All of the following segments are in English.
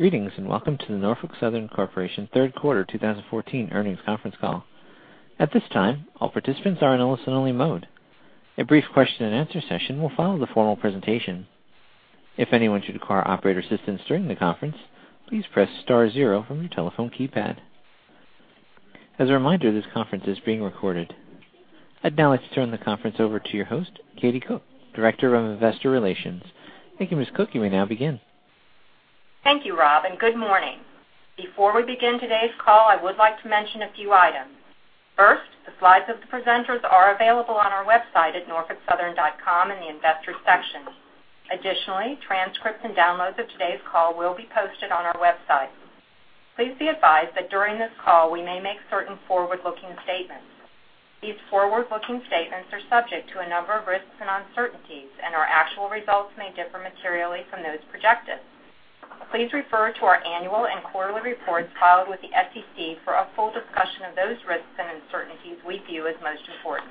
...Greetings, and welcome to the Norfolk Southern Corporation third quarter 2014 earnings conference call. At this time, all participants are in a listen-only mode. A brief question-and-answer session will follow the formal presentation. If anyone should require operator assistance during the conference, please press star zero from your telephone keypad. As a reminder, this conference is being recorded. I'd now like to turn the conference over to your host, Katie Cook, Director of Investor Relations. Thank you, Ms. Cook. You may now begin. Thank you, Rob, and good morning. Before we begin today's call, I would like to mention a few items. First, the slides of the presenters are available on our website at norfolksouthern.com in the Investors section. Additionally, transcripts and downloads of today's call will be posted on our website. Please be advised that during this call, we may make certain forward-looking statements. These forward-looking statements are subject to a number of risks and uncertainties, and our actual results may differ materially from those projected. Please refer to our annual and quarterly reports filed with the SEC for a full discussion of those risks and uncertainties we view as most important.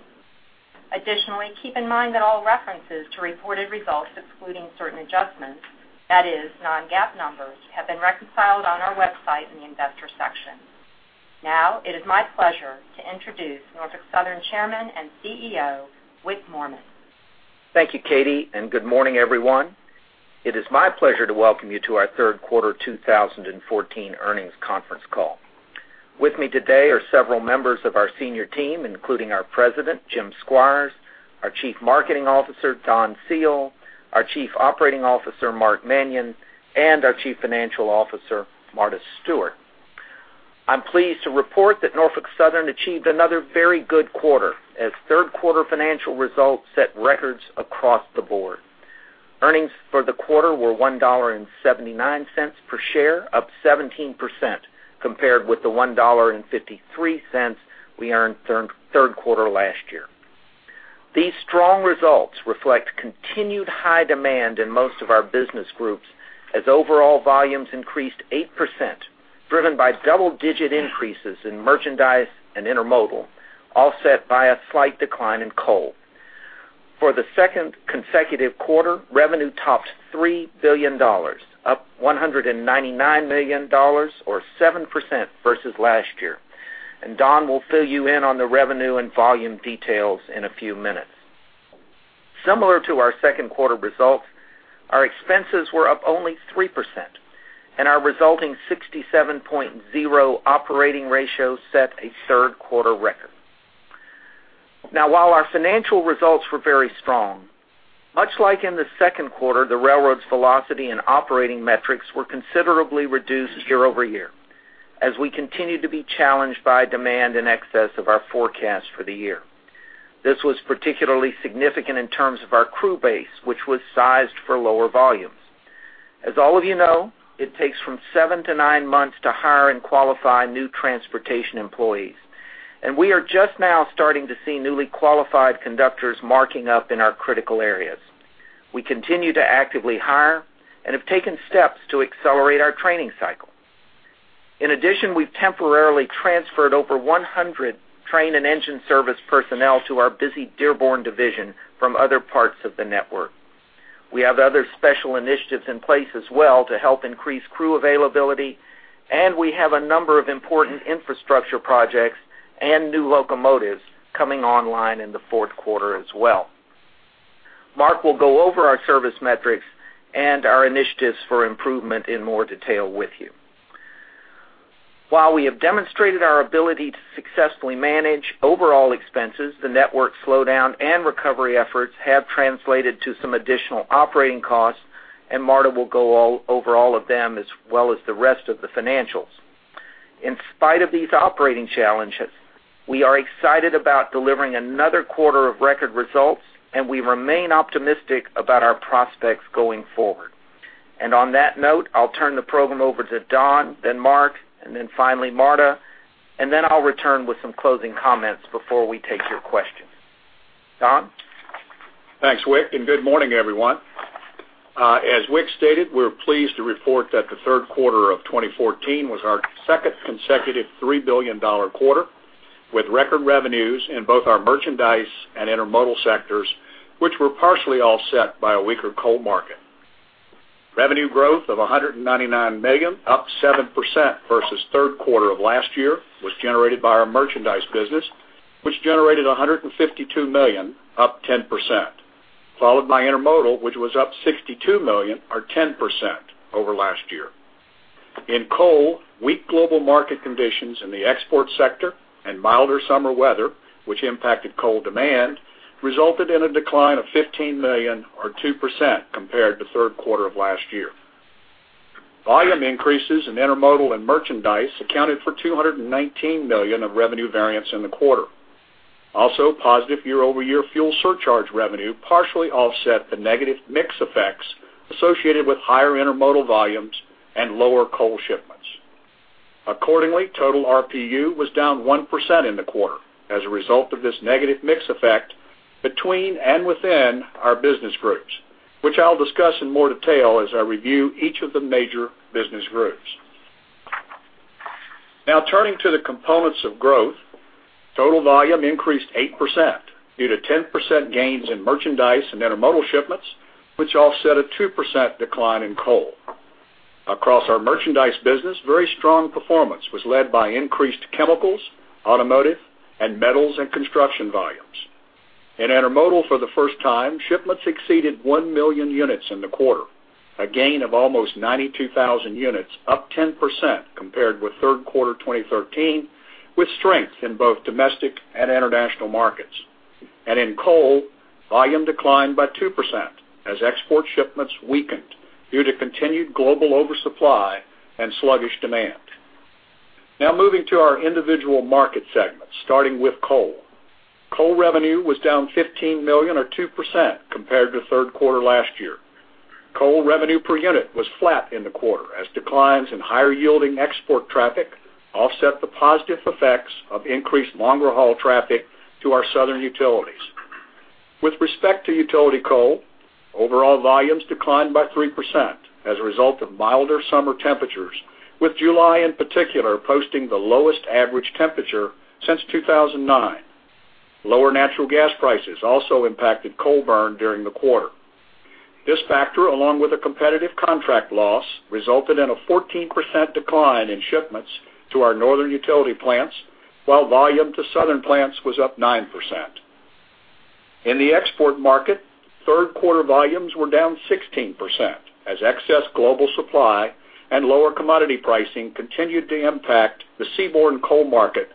Additionally, keep in mind that all references to reported results, excluding certain adjustments, that is, non-GAAP numbers, have been reconciled on our website in the Investors section. Now, it is my pleasure to introduce Norfolk Southern Chairman and CEO, Wick Moorman. Thank you, Katie, and good morning, everyone. It is my pleasure to welcome you to our third quarter 2014 earnings conference call. With me today are several members of our senior team, including our President, Jim Squires, our Chief Marketing Officer, Don Seale, our Chief Operating Officer, Mark Manion, and our Chief Financial Officer, Marta Stewart. I'm pleased to report that Norfolk Southern achieved another very good quarter as third quarter financial results set records across the board. Earnings for the quarter were $1.79 per share, up 17% compared with the $1.53 we earned during third quarter last year. These strong results reflect continued high demand in most of our business groups, as overall volumes increased 8%, driven by double-digit increases in merchandise and intermodal, offset by a slight decline in coal. For the second consecutive quarter, revenue topped $3 billion, up $199 million, or 7% versus last year. Don will fill you in on the revenue and volume details in a few minutes. Similar to our second quarter results, our expenses were up only 3%, and our resulting 67.0 operating ratio set a third quarter record. Now, while our financial results were very strong, much like in the second quarter, the railroad's velocity and operating metrics were considerably reduced year-over-year as we continued to be challenged by demand in excess of our forecast for the year. This was particularly significant in terms of our crew base, which was sized for lower volumes. As all of you know, it takes from 7-9 months to hire and qualify new transportation employees, and we are just now starting to see newly qualified conductors marking up in our critical areas. We continue to actively hire and have taken steps to accelerate our training cycle. In addition, we've temporarily transferred over 100 train and engine service personnel to our busy Dearborn Division from other parts of the network. We have other special initiatives in place as well to help increase crew availability, and we have a number of important infrastructure projects and new locomotives coming online in the fourth quarter as well. Mark will go over our service metrics and our initiatives for improvement in more detail with you. While we have demonstrated our ability to successfully manage overall expenses, the network slowdown and recovery efforts have translated to some additional operating costs, and Marta will go over all of them, as well as the rest of the financials. In spite of these operating challenges, we are excited about delivering another quarter of record results, and we remain optimistic about our prospects going forward. And on that note, I'll turn the program over to Don, then Mark, and then finally Marta, and then I'll return with some closing comments before we take your questions. Don? Thanks, Wick, and good morning, everyone. As Wick stated, we're pleased to report that the third quarter of 2014 was our second consecutive $3 billion quarter, with record revenues in both our merchandise and intermodal sectors, which were partially offset by a weaker coal market. Revenue growth of $199 million, up 7% versus third quarter of last year, was generated by our merchandise business, which generated $152 million, up 10%, followed by intermodal, which was up $62 million, or 10% over last year. In coal, weak global market conditions in the export sector and milder summer weather, which impacted coal demand, resulted in a decline of $15 million, or 2% compared to third quarter of last year. Volume increases in intermodal and merchandise accounted for $219 million of revenue variance in the quarter. Also, positive year-over-year fuel surcharge revenue partially offset the negative mix effects associated with higher intermodal volumes and lower coal shipments. Accordingly, total RPU was down 1% in the quarter as a result of this negative mix effect between and within our business groups, which I'll discuss in more detail as I review each of the major business groups.... Now turning to the components of growth. Total volume increased 8% due to 10% gains in merchandise and intermodal shipments, which offset a 2% decline in coal. Across our merchandise business, very strong performance was led by increased chemicals, automotive, and metals and construction volumes. In intermodal, for the first time, shipments exceeded 1 million units in the quarter, a gain of almost 92,000 units, up 10% compared with third quarter 2013, with strength in both domestic and international markets. In coal, volume declined by 2% as export shipments weakened due to continued global oversupply and sluggish demand. Now moving to our individual market segments, starting with coal. Coal revenue was down $15 million or 2% compared to third quarter last year. Coal revenue per unit was flat in the quarter as declines in higher-yielding export traffic offset the positive effects of increased longer-haul traffic to our southern utilities. With respect to utility coal, overall volumes declined by 3% as a result of milder summer temperatures, with July in particular, posting the lowest average temperature since 2009. Lower natural gas prices also impacted coal burn during the quarter. This factor, along with a competitive contract loss, resulted in a 14% decline in shipments to our northern utility plants, while volume to southern plants was up 9%. In the export market, third quarter volumes were down 16%, as excess global supply and lower commodity pricing continued to impact the seaborne coal market,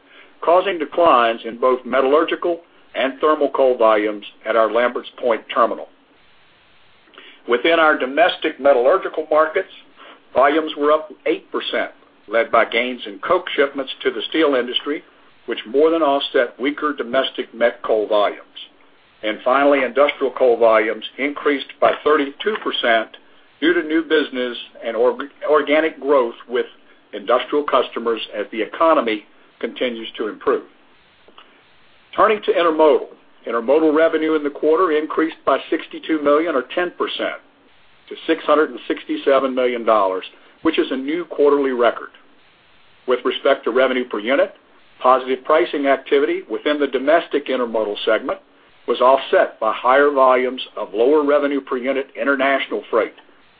causing declines in both metallurgical and thermal coal volumes at our Lamberts Point terminal. Within our domestic metallurgical markets, volumes were up 8%, led by gains in coke shipments to the steel industry, which more than offset weaker domestic met coal volumes. And finally, industrial coal volumes increased by 32% due to new business and organic growth with industrial customers as the economy continues to improve. Turning to intermodal. Intermodal revenue in the quarter increased by $62 million or 10% to $667 million, which is a new quarterly record. With respect to revenue per unit, positive pricing activity within the domestic intermodal segment was offset by higher volumes of lower revenue per unit international freight,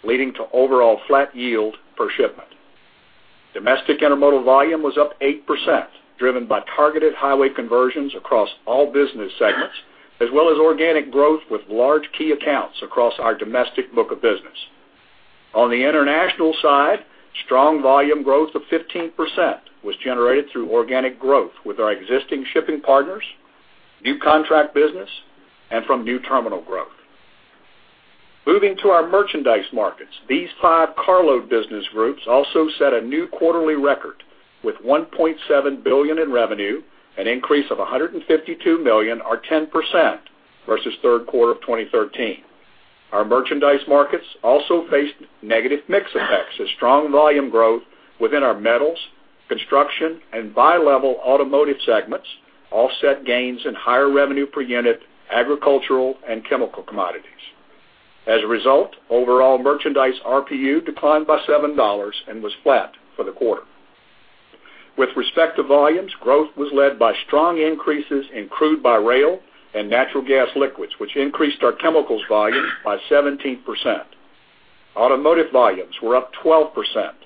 leading to overall flat yield per shipment. Domestic intermodal volume was up 8%, driven by targeted highway conversions across all business segments, as well as organic growth with large key accounts across our domestic book of business. On the international side, strong volume growth of 15% was generated through organic growth with our existing shipping partners, new contract business, and from new terminal growth. Moving to our merchandise markets, these five carload business groups also set a new quarterly record with $1.7 billion in revenue, an increase of $152 million or 10% versus third quarter of 2013. Our merchandise markets also faced negative mix effects as strong volume growth within our metals, construction, and bi-level automotive segments offset gains in higher revenue per unit, agricultural and chemical commodities. As a result, overall merchandise RPU declined by $7 and was flat for the quarter. With respect to volumes, growth was led by strong increases in crude by rail and natural gas liquids, which increased our chemicals volume by 17%. Automotive volumes were up 12%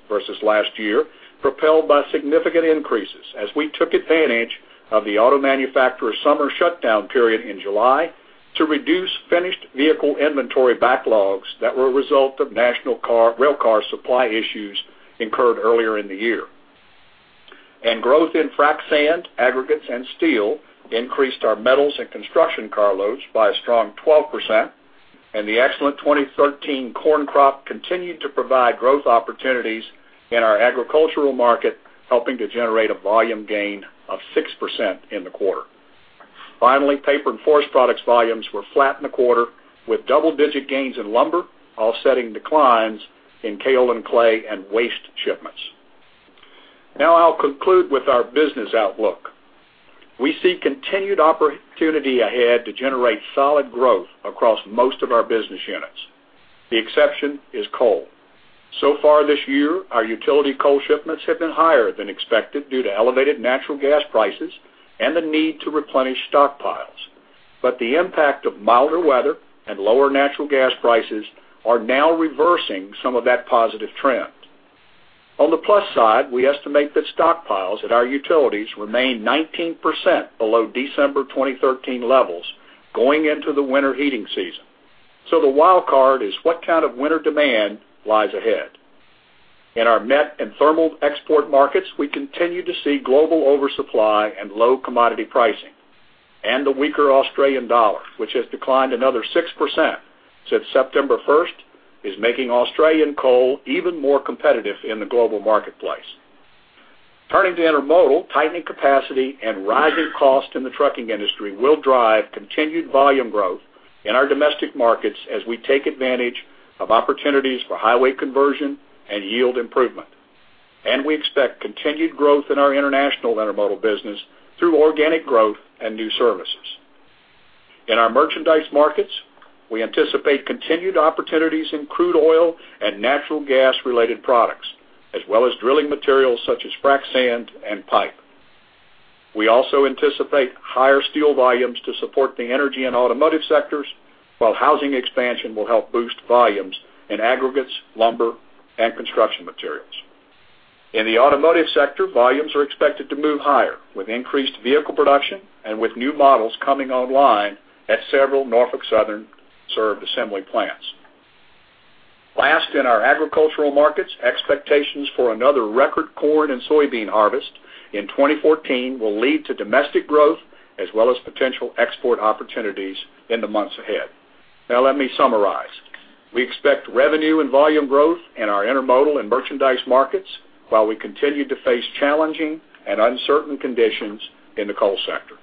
versus last year, propelled by significant increases as we took advantage of the auto manufacturer summer shutdown period in July to reduce finished vehicle inventory backlogs that were a result of national rail car supply issues incurred earlier in the year. Growth in frac sand, aggregates, and steel increased our metals and construction carloads by a strong 12%, and the excellent 2013 corn crop continued to provide growth opportunities in our agricultural market, helping to generate a volume gain of 6% in the quarter. Finally, paper and forest products volumes were flat in the quarter, with double-digit gains in lumber, offsetting declines in pulp and clay and waste shipments. Now, I'll conclude with our business outlook. We see continued opportunity ahead to generate solid growth across most of our business units. The exception is coal. So far this year, our utility coal shipments have been higher than expected due to elevated natural gas prices and the need to replenish stockpiles. But the impact of milder weather and lower natural gas prices are now reversing some of that positive trend. On the plus side, we estimate that stockpiles at our utilities remain 19% below December 2013 levels going into the winter heating season. So the wild card is what kind of winter demand lies ahead. In our met and thermal export markets, we continue to see global oversupply and low commodity pricing, and the weaker Australian dollar, which has declined another 6% since September 1st, is making Australian coal even more competitive in the global marketplace. Turning to intermodal, tightening capacity and rising costs in the trucking industry will drive continued volume growth in our domestic markets as we take advantage of opportunities for highway conversion and yield improvement. We expect continued growth in our international intermodal business through organic growth and new services. In our merchandise markets, we anticipate continued opportunities in crude oil and natural gas-related products, as well as drilling materials such as frac sand and pipe. We also anticipate higher steel volumes to support the energy and automotive sectors, while housing expansion will help boost volumes in aggregates, lumber, and construction materials. In the automotive sector, volumes are expected to move higher, with increased vehicle production and with new models coming online at several Norfolk Southern-served assembly plants. Last, in our agricultural markets, expectations for another record corn and soybean harvest in 2014 will lead to domestic growth as well as potential export opportunities in the months ahead. Now, let me summarize: We expect revenue and volume growth in our intermodal and merchandise markets, while we continue to face challenging and uncertain conditions in the coal sector.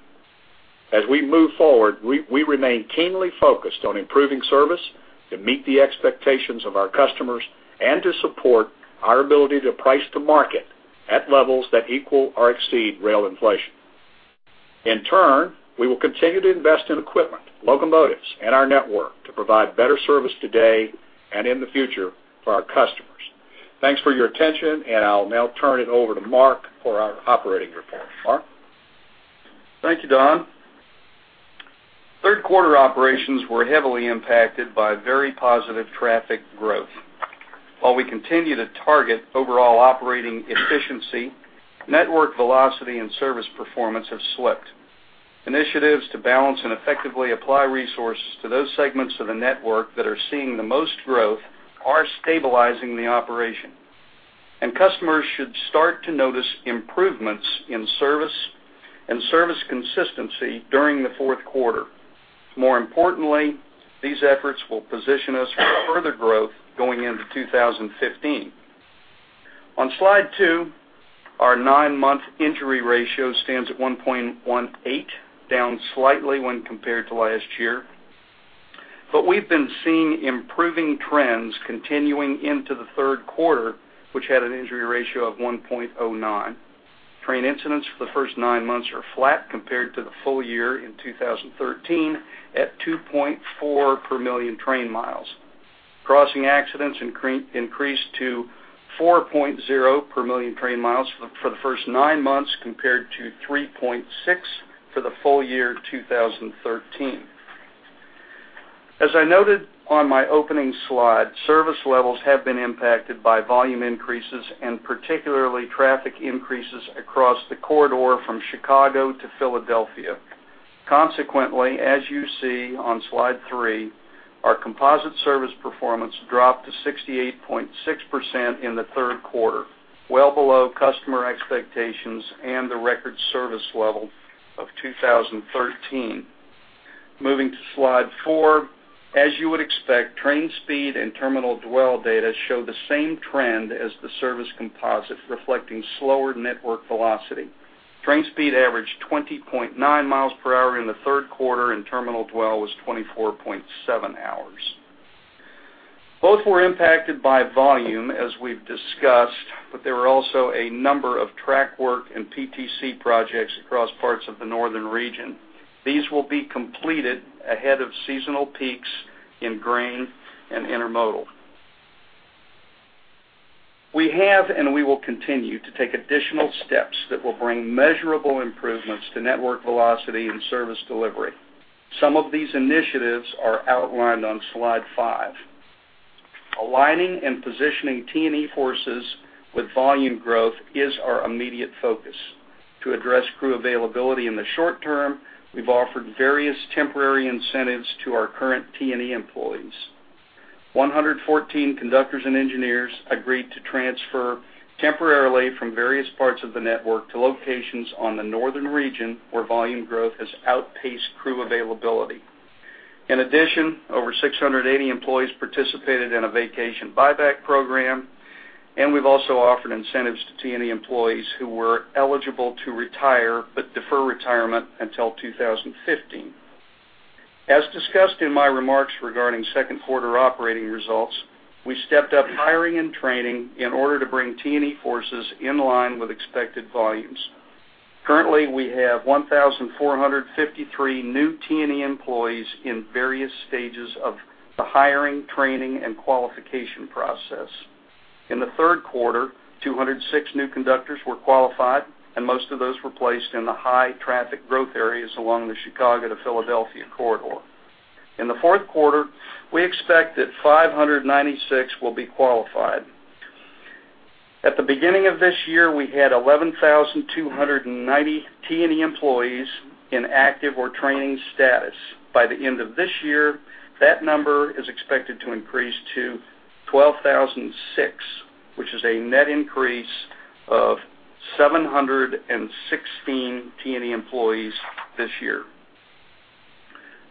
As we move forward, we remain keenly focused on improving service to meet the expectations of our customers and to support our ability to price the market at levels that equal or exceed rail inflation. In turn, we will continue to invest in equipment, locomotives, and our network to provide better service today and in the future for our customers. Thanks for your attention, and I'll now turn it over to Mark for our operating report. Mark? Thank you, Don. Third quarter operations were heavily impacted by very positive traffic growth. While we continue to target overall operating efficiency, network velocity and service performance have slipped. Initiatives to balance and effectively apply resources to those segments of the network that are seeing the most growth are stabilizing the operation, and customers should start to notice improvements in service and service consistency during the fourth quarter. More importantly, these efforts will position us for further growth going into 2015. On Slide 2, our 9-month injury ratio stands at 1.18, down slightly when compared to last year. But we've been seeing improving trends continuing into the third quarter, which had an injury ratio of 1.09. Train incidents for the first nine months are flat compared to the full year in 2013, at 2.4 per million train miles. Crossing accidents increased to 4.0 per million train miles for the first nine months, compared to 3.6 for the full year 2013. As I noted on my opening slide, service levels have been impacted by volume increases and particularly traffic increases across the corridor from Chicago to Philadelphia. Consequently, as you see on Slide 3, our composite service performance dropped to 68.6% in the third quarter, well below customer expectations and the record service level of 2013. Moving to Slide 4, as you would expect, train speed and terminal dwell data show the same trend as the service composite, reflecting slower network velocity. Train speed averaged 20.9 miles per hour in the third quarter, and terminal dwell was 24.7 hours. Both were impacted by volume, as we've discussed, but there were also a number of track work and PTC projects across parts of the Northern Region. These will be completed ahead of seasonal peaks in grain and intermodal. We have, and we will continue to take additional steps that will bring measurable improvements to network velocity and service delivery. Some of these initiatives are outlined on Slide 5. Aligning and positioning T&E forces with volume growth is our immediate focus. To address crew availability in the short term, we've offered various temporary incentives to our current T&E employees. 114 conductors and engineers agreed to transfer temporarily from various parts of the network to locations on the Northern Region, where volume growth has outpaced crew availability. In addition, over 680 employees participated in a vacation buyback program, and we've also offered incentives to T&E employees who were eligible to retire but defer retirement until 2015. As discussed in my remarks regarding second quarter operating results, we stepped up hiring and training in order to bring T&E forces in line with expected volumes. Currently, we have 1,453 new T&E employees in various stages of the hiring, training, and qualification process. In the third quarter, 206 new conductors were qualified, and most of those were placed in the high traffic growth areas along the Chicago to Philadelphia corridor. In the fourth quarter, we expect that 596 will be qualified. At the beginning of this year, we had 11,290 T&E employees in active or training status. By the end of this year, that number is expected to increase to 12,006, which is a net increase of 716 T&E employees this year.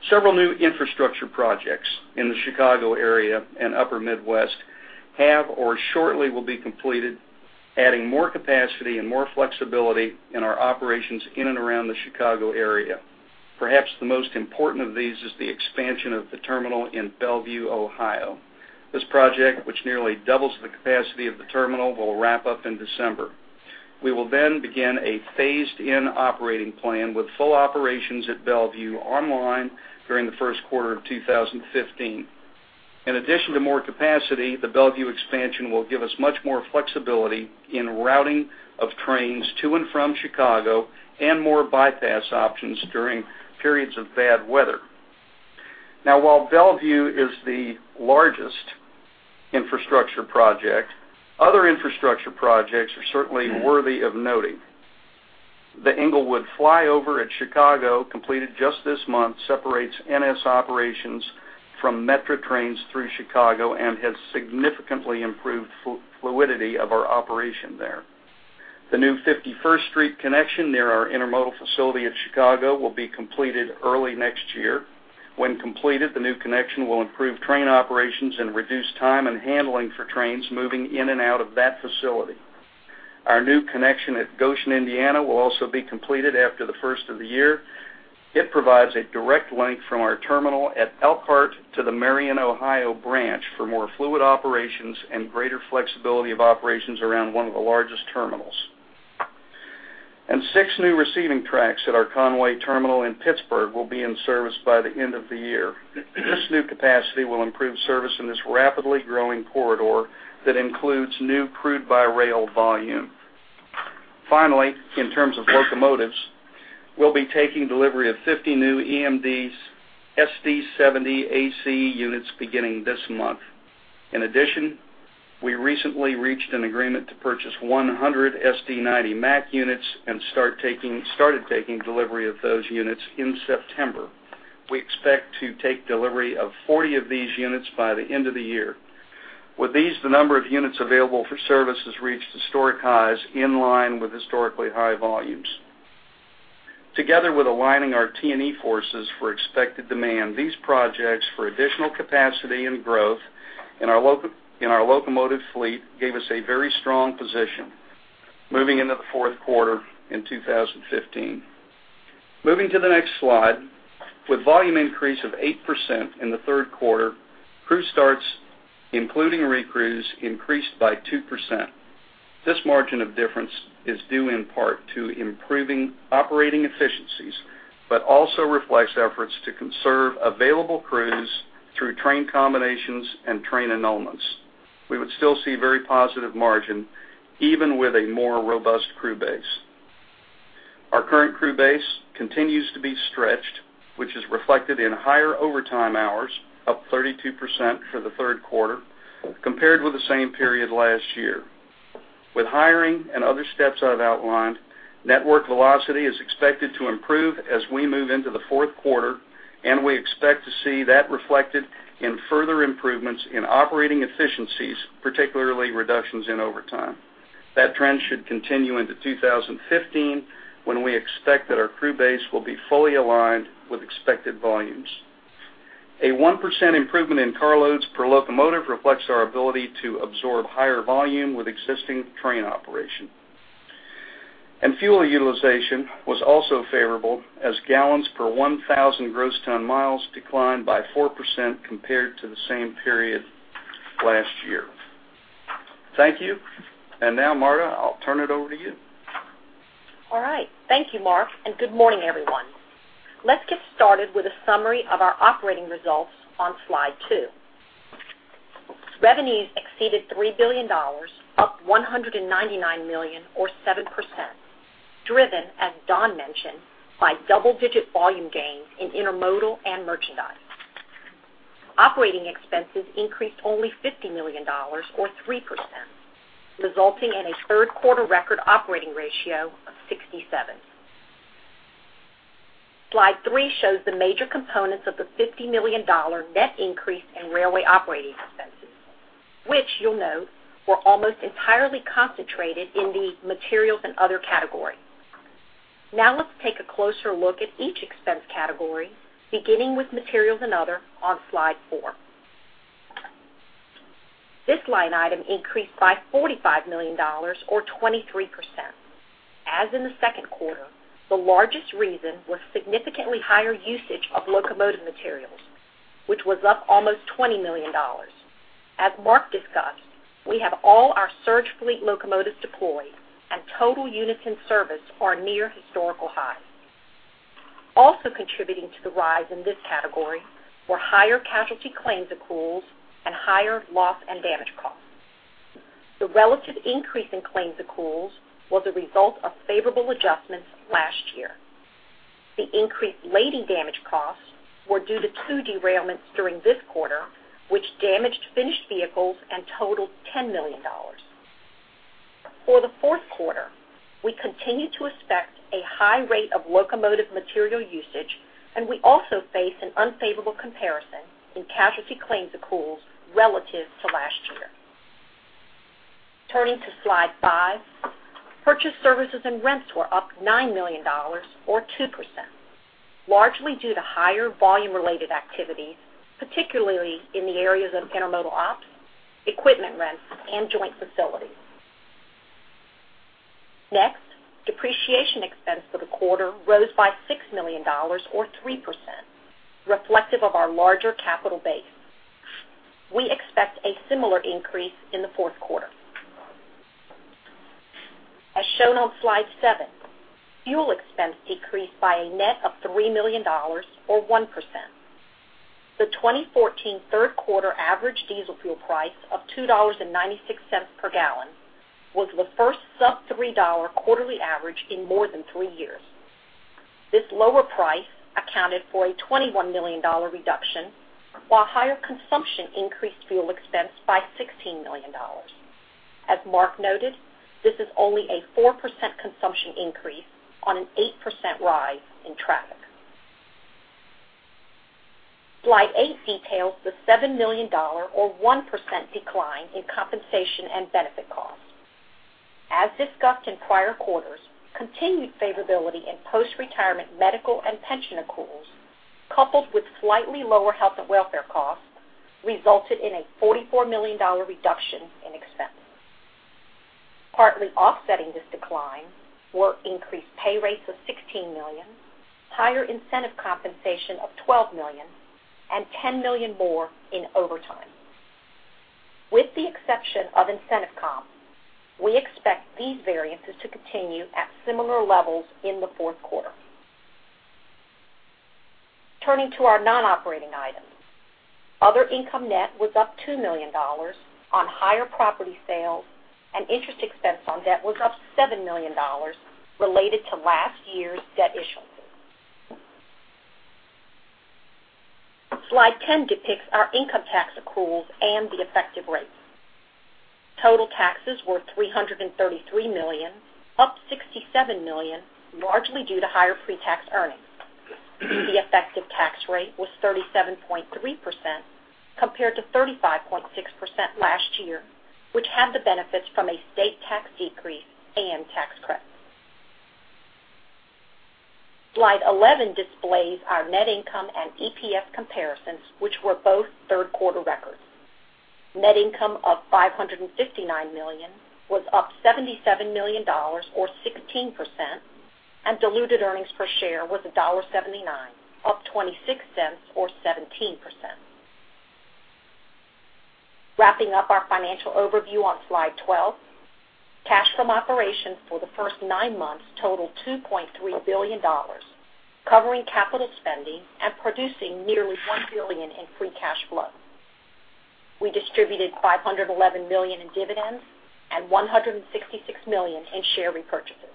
Several new infrastructure projects in the Chicago area and Upper Midwest have or shortly will be completed, adding more capacity and more flexibility in our operations in and around the Chicago area. Perhaps the most important of these is the expansion of the terminal in Bellevue, Ohio. This project, which nearly doubles the capacity of the terminal, will wrap up in December. We will then begin a phased-in operating plan with full operations at Bellevue online during the first quarter of 2015. In addition to more capacity, the Bellevue expansion will give us much more flexibility in routing of trains to and from Chicago and more bypass options during periods of bad weather. Now, while Bellevue is the largest infrastructure project, other infrastructure projects are certainly worthy of noting. The Englewood Flyover at Chicago, completed just this month, separates NS operations from Metra trains through Chicago and has significantly improved fluidity of our operation there. The new Fifty-First Street connection near our intermodal facility in Chicago will be completed early next year. When completed, the new connection will improve train operations and reduce time and handling for trains moving in and out of that facility. Our new connection at Goshen, Indiana, will also be completed after the first of the year. It provides a direct link from our terminal at Elkhart to the Marion, Ohio, branch for more fluid operations and greater flexibility of operations around one of the largest terminals. And six new receiving tracks at our Conway terminal in Pittsburgh will be in service by the end of the year. This new capacity will improve service in this rapidly growing corridor that includes new crude-by-rail volume. Finally, in terms of locomotives, we'll be taking delivery of 50 new EMDs SD70AC units beginning this month. In addition, we recently reached an agreement to purchase 100 SD90MAC units and started taking delivery of those units in September. We expect to take delivery of 40 of these units by the end of the year. With these, the number of units available for service has reached historic highs in line with historically high volumes. Together with aligning our T&E forces for expected demand, these projects for additional capacity and growth in our locomotive fleet gave us a very strong position moving into the fourth quarter in 2015. Moving to the next slide. With volume increase of 8% in the third quarter, crew starts, including recrews, increased by 2%. This margin of difference is due in part to improving operating efficiencies, but also reflects efforts to conserve available crews through train combinations and train annulments. We would still see very positive margin, even with a more robust crew base. Our current crew base continues to be stretched, which is reflected in higher overtime hours, up 32% for the third quarter, compared with the same period last year. With hiring and other steps I've outlined, network velocity is expected to improve as we move into the fourth quarter, and we expect to see that reflected in further improvements in operating efficiencies, particularly reductions in overtime. That trend should continue into 2015, when we expect that our crew base will be fully aligned with expected volumes. A 1% improvement in car loads per locomotive reflects our ability to absorb higher volume with existing train operation. Fuel utilization was also favorable, as gallons per 1,000 gross ton miles declined by 4% compared to the same period last year. Thank you. Now, Marta, I'll turn it over to you. All right. Thank you, Mark, and good morning, everyone. Let's get started with a summary of our operating results on slide 2. Revenues exceeded $3 billion, up $199 million or 7%, driven, as Don mentioned, by double-digit volume gains in intermodal and merchandise. Operating expenses increased only $50 million, or 3%, resulting in a third quarter record operating ratio of 67. Slide 3 shows the major components of the $50 million net increase in railway operating expenses, which you'll note, were almost entirely concentrated in the materials and other category. Now, let's take a closer look at each expense category, beginning with materials and other on slide 4. This line item increased by $45 million or 23%. As in the second quarter, the largest reason was significantly higher usage of locomotive materials, which was up almost $20 million. As Mark discussed, we have all our surge fleet locomotives deployed, and total units in service are near historical highs. Also contributing to the rise in this category were higher casualty claims accruals and higher loss and damage costs. The relative increase in claims accruals was a result of favorable adjustments last year. The increased lading damage costs were due to two derailments during this quarter, which damaged finished vehicles and totaled $10 million. For the fourth quarter, we continue to expect a high rate of locomotive material usage, and we also face an unfavorable comparison in casualty claims accruals relative to last year. Turning to slide 5, purchased services and rents were up $9 million, or 2%, largely due to higher volume-related activities, particularly in the areas of intermodal ops, equipment rents, and joint facilities. Next, depreciation expense for the quarter rose by $6 million, or 3%, reflective of our larger capital base. We expect a similar increase in the fourth quarter. As shown on Slide 7, fuel expense decreased by a net of $3 million, or 1%. The 2014 third quarter average diesel fuel price of $2.96 per gallon was the first sub-$3 quarterly average in more than three years. This lower price accounted for a $21 million reduction, while higher consumption increased fuel expense by $16 million. As Mark noted, this is only a 4% consumption increase on an 8% rise in traffic. Slide 8 details the $7 million, or 1% decline in compensation and benefit costs. As discussed in prior quarters, continued favorability in post-retirement medical and pension accruals, coupled with slightly lower health and welfare costs, resulted in a $44 million reduction in expenses. Partly offsetting this decline were increased pay rates of $16 million, higher incentive compensation of $12 million, and $10 million more in overtime. With the exception of incentive comp, we expect these variances to continue at similar levels in the fourth quarter. Turning to our non-operating items, other income net was up $2 million on higher property sales, and interest expense on debt was up $7 million related to last year's debt issuance. Slide 10 depicts our income tax accruals and the effective rates. Total taxes were $333 million, up $67 million, largely due to higher pre-tax earnings. The effective tax rate was 37.3%, compared to 35.6% last year, which had the benefits from a state tax decrease and tax credits. Slide 11 displays our net income and EPS comparisons, which were both third quarter records. Net income of $559 million was up $77 million or 16%, and diluted earnings per share was $1.79, up 26 cents or 17%. Wrapping up our financial overview on Slide 12, cash from operations for the first nine months totaled $2.3 billion, covering capital spending and producing nearly $1 billion in free cash flow. We distributed $511 million in dividends and $166 million in share repurchases.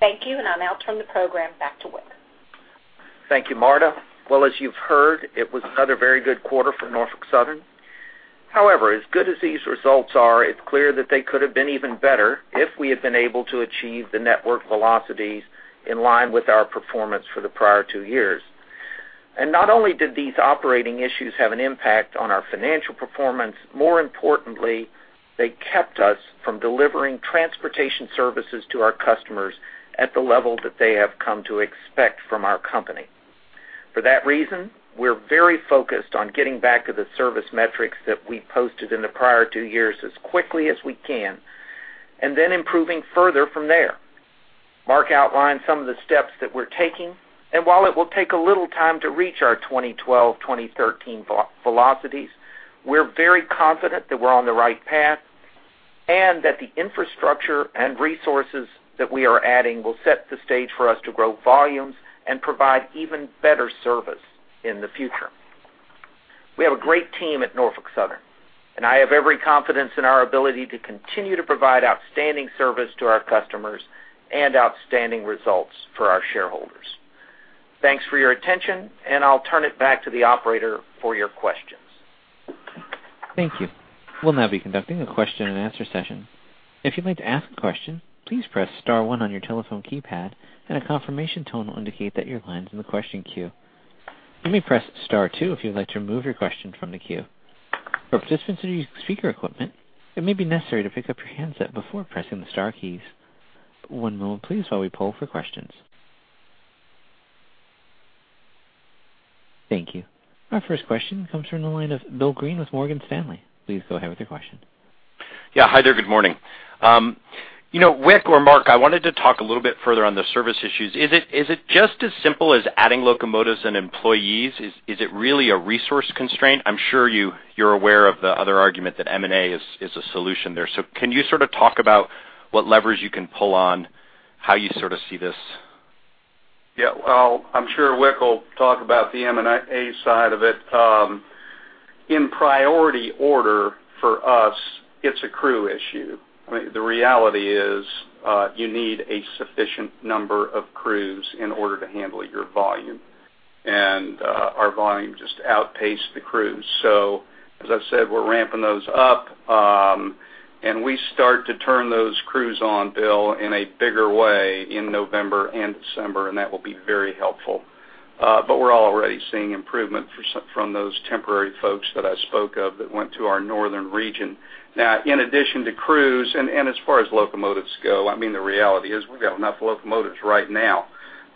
Thank you, and I'll now turn the program back to Wick. Thank you, Marta. Well, as you've heard, it was another very good quarter for Norfolk Southern. However, as good as these results are, it's clear that they could have been even better if we had been able to achieve the network velocities in line with our performance for the prior two years. Not only did these operating issues have an impact on our financial performance, more importantly, they kept us from delivering transportation services to our customers at the level that they have come to expect from our company. For that reason, we're very focused on getting back to the service metrics that we posted in the prior two years as quickly as we can, and then improving further from there. Mark outlined some of the steps that we're taking, and while it will take a little time to reach our 2012, 2013 velocities, we're very confident that we're on the right path and that the infrastructure and resources that we are adding will set the stage for us to grow volumes and provide even better service in the future. We have a great team at Norfolk Southern, and I have every confidence in our ability to continue to provide outstanding service to our customers and outstanding results for our shareholders. Thanks for your attention, and I'll turn it back to the operator for your questions. Thank you. We'll now be conducting a question-and-answer session. If you'd like to ask a question, please press star one on your telephone keypad, and a confirmation tone will indicate that your line is in the question queue. You may press star two if you'd like to remove your question from the queue. For participants that are using speaker equipment, it may be necessary to pick up your handset before pressing the star keys. One moment, please, while we poll for questions. Thank you. Our first question comes from the line of Bill Greene with Morgan Stanley. Please go ahead with your question. Yeah. Hi there. Good morning. You know, Wick or Mark, I wanted to talk a little bit further on the service issues. Is it just as simple as adding locomotives and employees? Is it really a resource constraint? I'm sure you're aware of the other argument that M&A is a solution there. So can you sort of talk about what levers you can pull on, how you sort of see this? Yeah, well, I'm sure Wick will talk about the M&A side of it. In priority order for us, it's a crew issue. I mean, the reality is, you need a sufficient number of crews in order to handle your volume, and, our volume just outpaced the crews. So as I said, we're ramping those up, and we start to turn those crews on, Bill, in a bigger way in November and December, and that will be very helpful. But we're already seeing improvement from those temporary folks that I spoke of that went to our northern region. Now, in addition to crews, and, as far as locomotives go, I mean, the reality is we've got enough locomotives right now.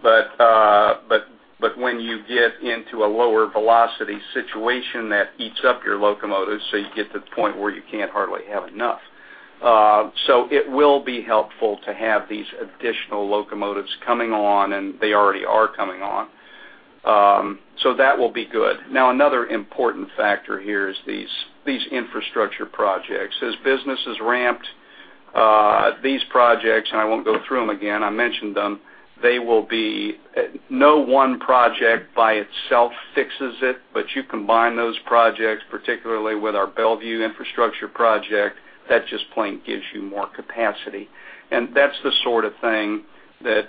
But when you get into a lower velocity situation, that eats up your locomotives, so you get to the point where you can't hardly have enough. So it will be helpful to have these additional locomotives coming on, and they already are coming on. So that will be good. Now, another important factor here is these infrastructure projects. As business is ramped, these projects, and I won't go through them again, I mentioned them, they will be no one project by itself fixes it, but you combine those projects, particularly with our Bellevue infrastructure project, that just plain gives you more capacity. And that's the sort of thing that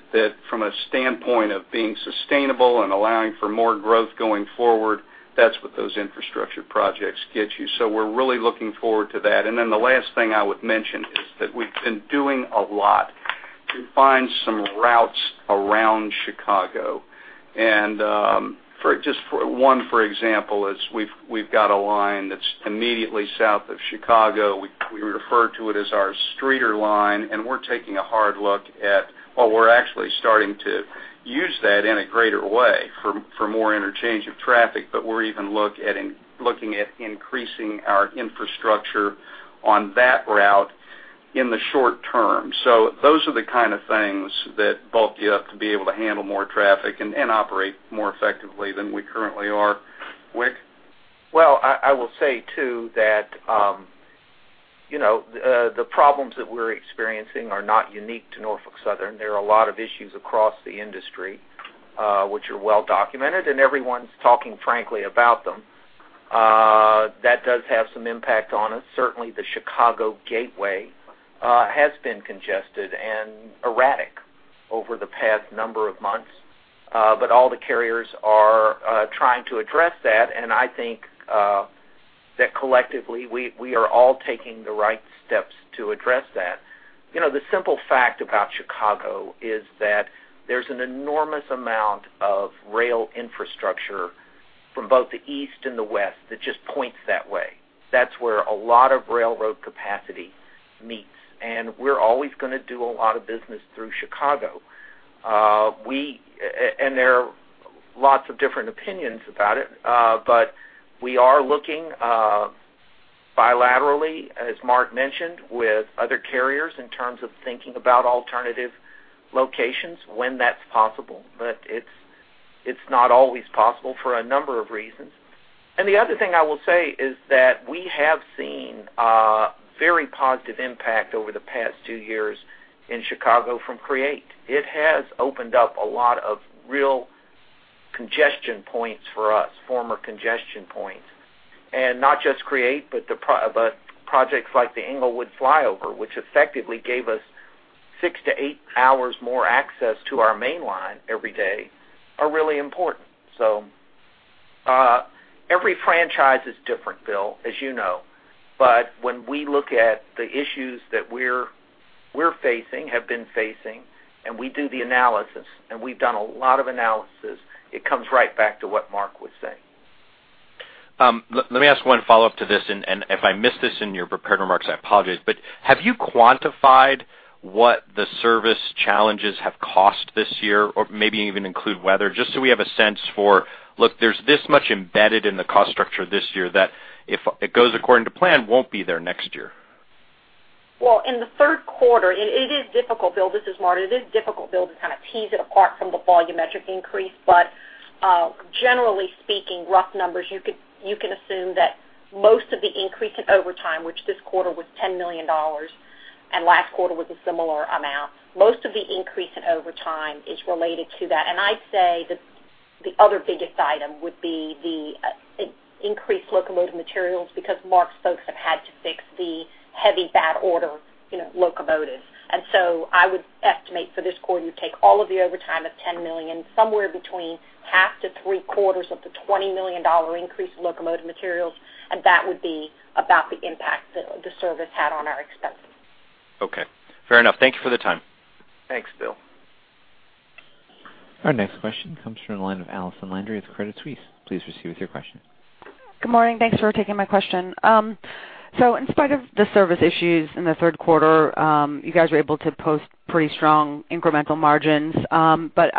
from a standpoint of being sustainable and allowing for more growth going forward, that's what those infrastructure projects get you. So we're really looking forward to that. And then the last thing I would mention is that we've been doing a lot to find some routes around Chicago. And for one, for example, we've got a line that's immediately south of Chicago. We refer to it as our Streator Line, and we're taking a hard look at, or we're actually starting to use that in a greater way for more interchange of traffic, but we're even looking at increasing our infrastructure on that route in the short term. So those are the kind of things that bulk you up to be able to handle more traffic and operate more effectively than we currently are. Wick? Well, I will say, too, that, you know, the problems that we're experiencing are not unique to Norfolk Southern. There are a lot of issues across the industry, which are well documented, and everyone's talking frankly about them. That does have some impact on us. Certainly, the Chicago gateway has been congested and erratic over the past number of months, but all the carriers are trying to address that, and I think that collectively, we are all taking the right steps to address that. You know, the simple fact about Chicago is that there's an enormous amount of rail infrastructure from both the East and the West that just points that way. That's where a lot of railroad capacity meets, and we're always gonna do a lot of business through Chicago. We and there are lots of different opinions about it, but we are looking bilaterally, as Mark mentioned, with other carriers in terms of thinking about alternative locations when that's possible. But it's not always possible for a number of reasons. And the other thing I will say is that we have seen a very positive impact over the past 2 years in Chicago from CREATE. It has opened up a lot of real congestion points for us, former congestion points. And not just CREATE, but projects like the Englewood Flyover, which effectively gave us 6-8 hours more access to our mainline every day, are really important. So, every franchise is different, Bill, as you know, but when we look at the issues that we're facing, have been facing, and we do the analysis, and we've done a lot of analysis, it comes right back to what Mark was saying. Let me ask one follow-up to this, and if I missed this in your prepared remarks, I apologize. But have you quantified what the service challenges have cost this year, or maybe even include weather, just so we have a sense for, "Look, there's this much embedded in the cost structure this year that if it goes according to plan, won't be there next year? Well, in the third quarter, it is difficult, Bill. This is Marta. It is difficult, Bill, to kind of tease it apart from the volumetric increase, but generally speaking, rough numbers, you can assume that most of the increase in overtime, which this quarter was $10 million, and last quarter was a similar amount, most of the increase in overtime is related to that. And I'd say the other biggest item would be the increased locomotive materials, because Mark's folks have had to fix the heavy, bad order, you know, locomotives. And so I would estimate for this quarter, you take all of the overtime of $10 million, somewhere between half to three-quarters of the $20 million increase in locomotive materials, and that would be about the impact that the service had on our expenses. Okay. Fair enough. Thank you for the time. Thanks, Bill. Our next question comes from the line of Allison Landry of Credit Suisse. Please proceed with your question. Good morning. Thanks for taking my question. So in spite of the service issues in the third quarter, you guys were able to post pretty strong incremental margins. But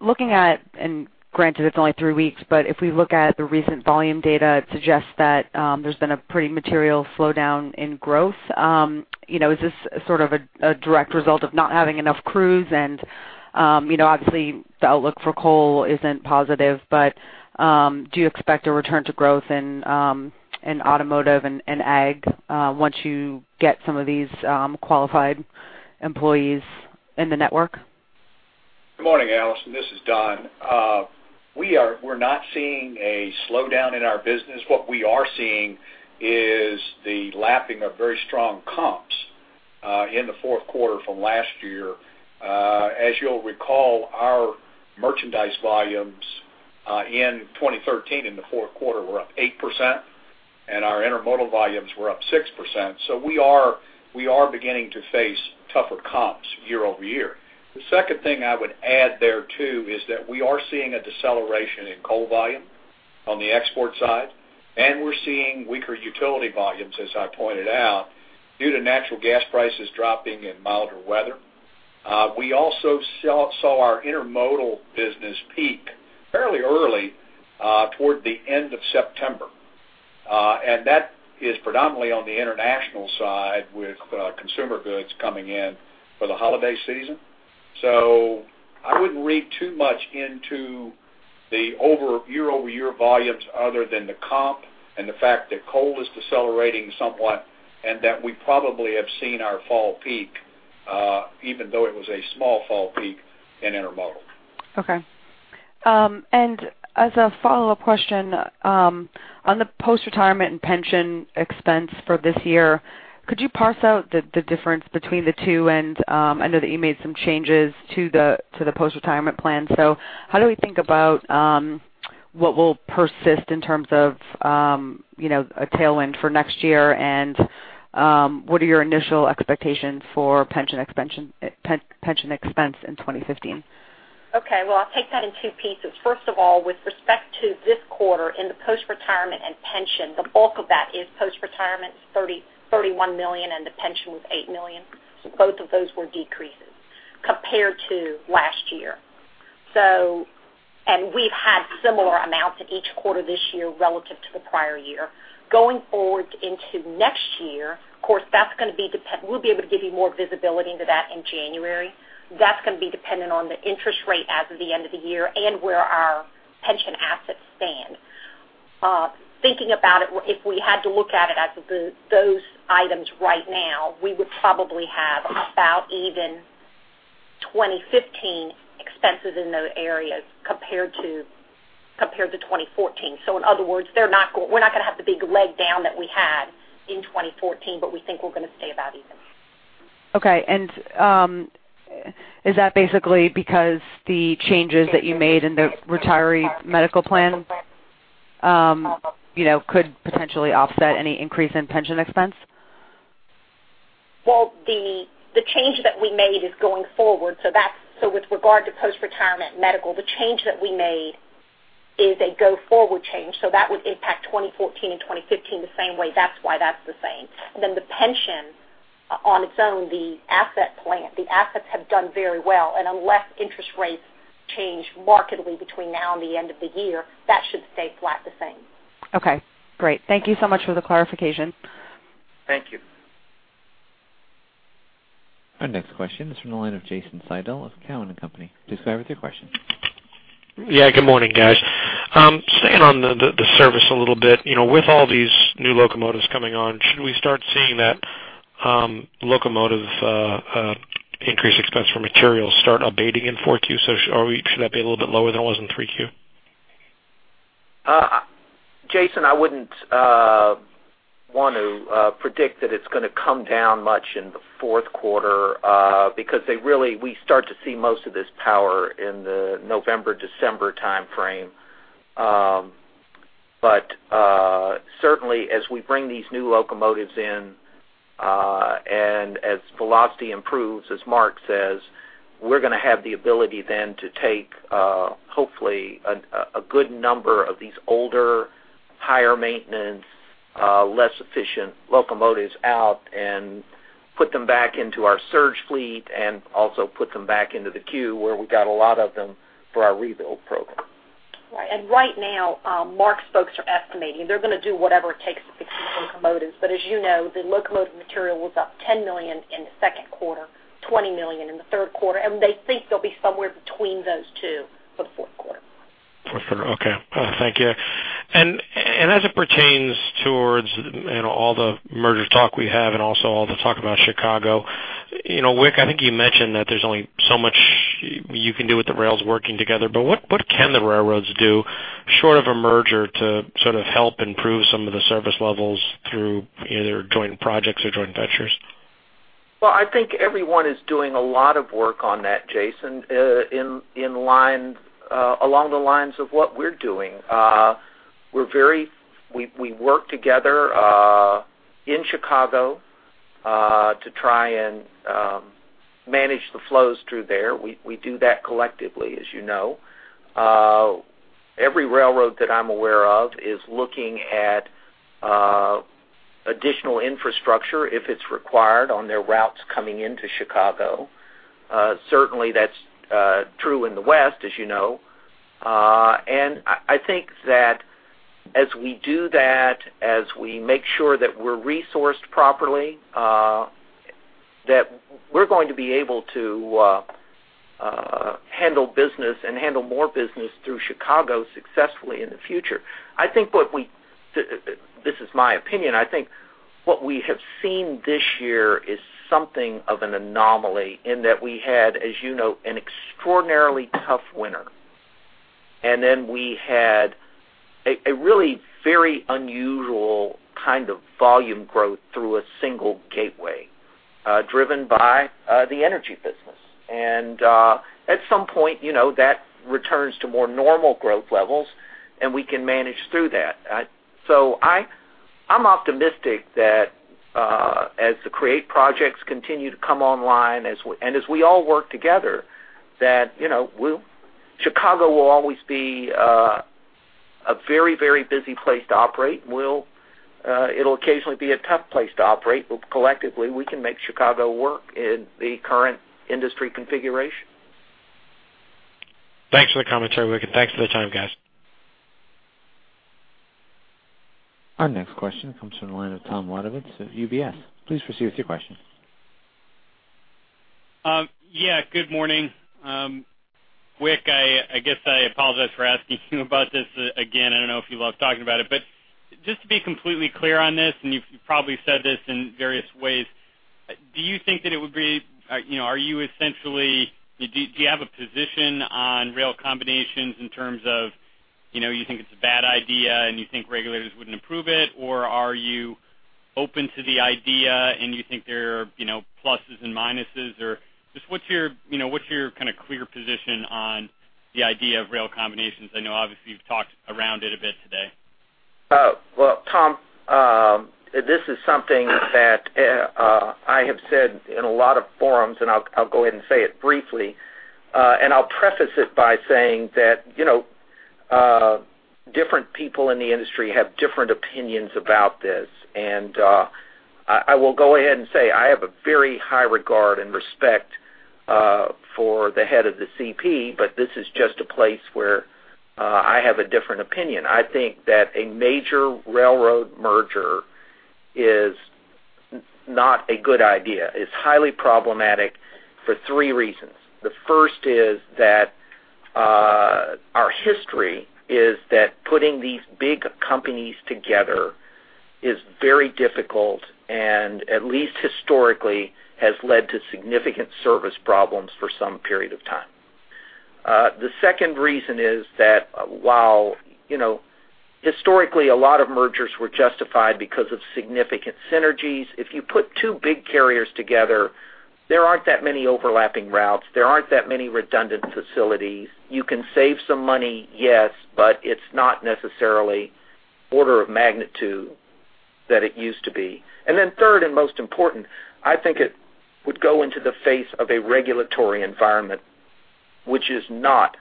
looking at and granted it's only three weeks, but if we look at the recent volume data, it suggests that there's been a pretty material slowdown in growth. You know, is this sort of a direct result of not having enough crews? And you know, obviously, the outlook for coal isn't positive, but do you expect a return to growth in automotive and ag once you get some of these qualified employees in the network? Good morning, Allison. This is Don. We are-- we're not seeing a slowdown in our business. What we are seeing is the lapping of very strong comps in the fourth quarter from last year. As you'll recall, our merchandise volumes in 2013, in the fourth quarter, were up 8%, and our intermodal volumes were up 6%. So we are, we are beginning to face tougher comps year-over-year. The second thing I would add there, too, is that we are seeing a deceleration in coal volume on the export side, and we're seeing weaker utility volumes, as I pointed out, due to natural gas prices dropping and milder weather.... We also saw our intermodal business peak fairly early toward the end of September. And that is predominantly on the international side, with consumer goods coming in for the holiday season. So I wouldn't read too much into the over year-over-year volumes other than the comp and the fact that coal is decelerating somewhat and that we probably have seen our fall peak, even though it was a small fall peak in intermodal. Okay. As a follow-up question, on the postretirement and pension expense for this year, could you parse out the difference between the two? I know that you made some changes to the postretirement plan, so how do we think about what will persist in terms of you know, a tailwind for next year? What are your initial expectations for pension expense in 2015? Okay, well, I'll take that in two pieces. First of all, with respect to this quarter in the postretirement and pension, the bulk of that is postretirement, it's $31 million, and the pension was $8 million. So both of those were decreases compared to last year. So, and we've had similar amounts in each quarter this year relative to the prior year. Going forward into next year, of course, we'll be able to give you more visibility into that in January. That's gonna be dependent on the interest rate as of the end of the year and where our pension assets stand. Thinking about it, if we had to look at it as the, those items right now, we would probably have about even 2015 expenses in those areas compared to, compared to 2014. So in other words, we're not gonna have the big leg down that we had in 2014, but we think we're gonna stay about even. Okay. Is that basically because the changes that you made in the retiree medical plan, you know, could potentially offset any increase in pension expense? Well, the change that we made is going forward, so that's with regard to postretirement medical, the change that we made is a go-forward change, so that would impact 2014 and 2015 the same way. That's why that's the same. Then the pension on its own, the asset plan, the assets have done very well, and unless interest rates change markedly between now and the end of the year, that should stay flat the same. Okay, great. Thank you so much for the clarification. Thank you. Our next question is from the line of Jason Seidel of Cowen and Company. Please go ahead with your question. Yeah, good morning, guys. Staying on the service a little bit, you know, with all these new locomotives coming on, should we start seeing that locomotive increase expense for materials start abating in four Q? Or should that be a little bit lower than it was in three Q? Jason, I wouldn't want to predict that it's gonna come down much in the fourth quarter because we start to see most of this power in the November, December timeframe. But certainly, as we bring these new locomotives in and as velocity improves, as Mark says, we're gonna have the ability then to take hopefully a good number of these older, higher maintenance, less efficient locomotives out and put them back into our surge fleet and also put them back into the queue, where we've got a lot of them for our rebuild program. Right. And right now, Mark's folks are estimating they're gonna do whatever it takes to fix the locomotives. But as you know, the locomotive material was up $10 million in the second quarter, $20 million in the third quarter, and they think they'll be somewhere between those two for the fourth quarter. Fourth quarter, okay. Thank you. And as it pertains towards, you know, all the merger talk we have and also all the talk about Chicago, you know, Wick, I think you mentioned that there's only so much you can do with the rails working together. But what, what can the railroads do, short of a merger, to sort of help improve some of the service levels through either joint projects or joint ventures? Well, I think everyone is doing a lot of work on that, Jason, along the lines of what we're doing. We work together in Chicago to try and manage the flows through there. We do that collectively, as you know. Every railroad that I'm aware of is looking at additional infrastructure, if it's required, on their routes coming into Chicago. Certainly, that's true in the West, as you know. And I think that as we do that, as we make sure that we're resourced properly, that we're going to be able to handle business and handle more business through Chicago successfully in the future. I think what we, this is my opinion: I think what we have seen this year is something of an anomaly in that we had, as you know, an extraordinarily tough winter. And then we had a really very unusual kind of volume growth through a single gateway, driven by the energy business. And at some point, you know, that returns to more normal growth levels, and we can manage through that. So I'm optimistic that as the CREATE projects continue to come online, and as we all work together, that, you know, we'll Chicago will always be a very, very busy place to operate. We'll, it'll occasionally be a tough place to operate, but collectively, we can make Chicago work in the current industry configuration. Thanks for the commentary, Wick, and thanks for the time, guys. Our next question comes from the line of Tom Wadewitz of UBS. Please proceed with your question. Yeah, good morning. Wick, I guess I apologize for asking you about this again. I don't know if you love talking about it, but just to be completely clear on this, and you've probably said this in various ways, do you think that it would be, you know, are you essentially, do you have a position on rail combinations in terms of, you know, you think it's a bad idea, and you think regulators wouldn't approve it? Or are you open to the idea, and you think there are, you know, pluses and minuses? Or just what's your, you know, what's your kind of clear position on the idea of rail combinations? I know obviously, you've talked around it a bit today. Well, Tom, this is something that I have said in a lot of forums, and I'll go ahead and say it briefly. And I'll preface it by saying that, you know, different people in the industry have different opinions about this. And I will go ahead and say I have a very high regard and respect for the head of the CP, but this is just a place where I have a different opinion. I think that a major railroad merger is not a good idea. It's highly problematic for three reasons. The first is that our history is that putting these big companies together is very difficult and, at least historically, has led to significant service problems for some period of time. The second reason is that while, you know, historically, a lot of mergers were justified because of significant synergies, if you put two big carriers together, there aren't that many overlapping routes, there aren't that many redundant facilities. You can save some money, yes, but it's not necessarily order of magnitude that it used to be. And then third, and most important, I think it would go into the face of a regulatory environment which is not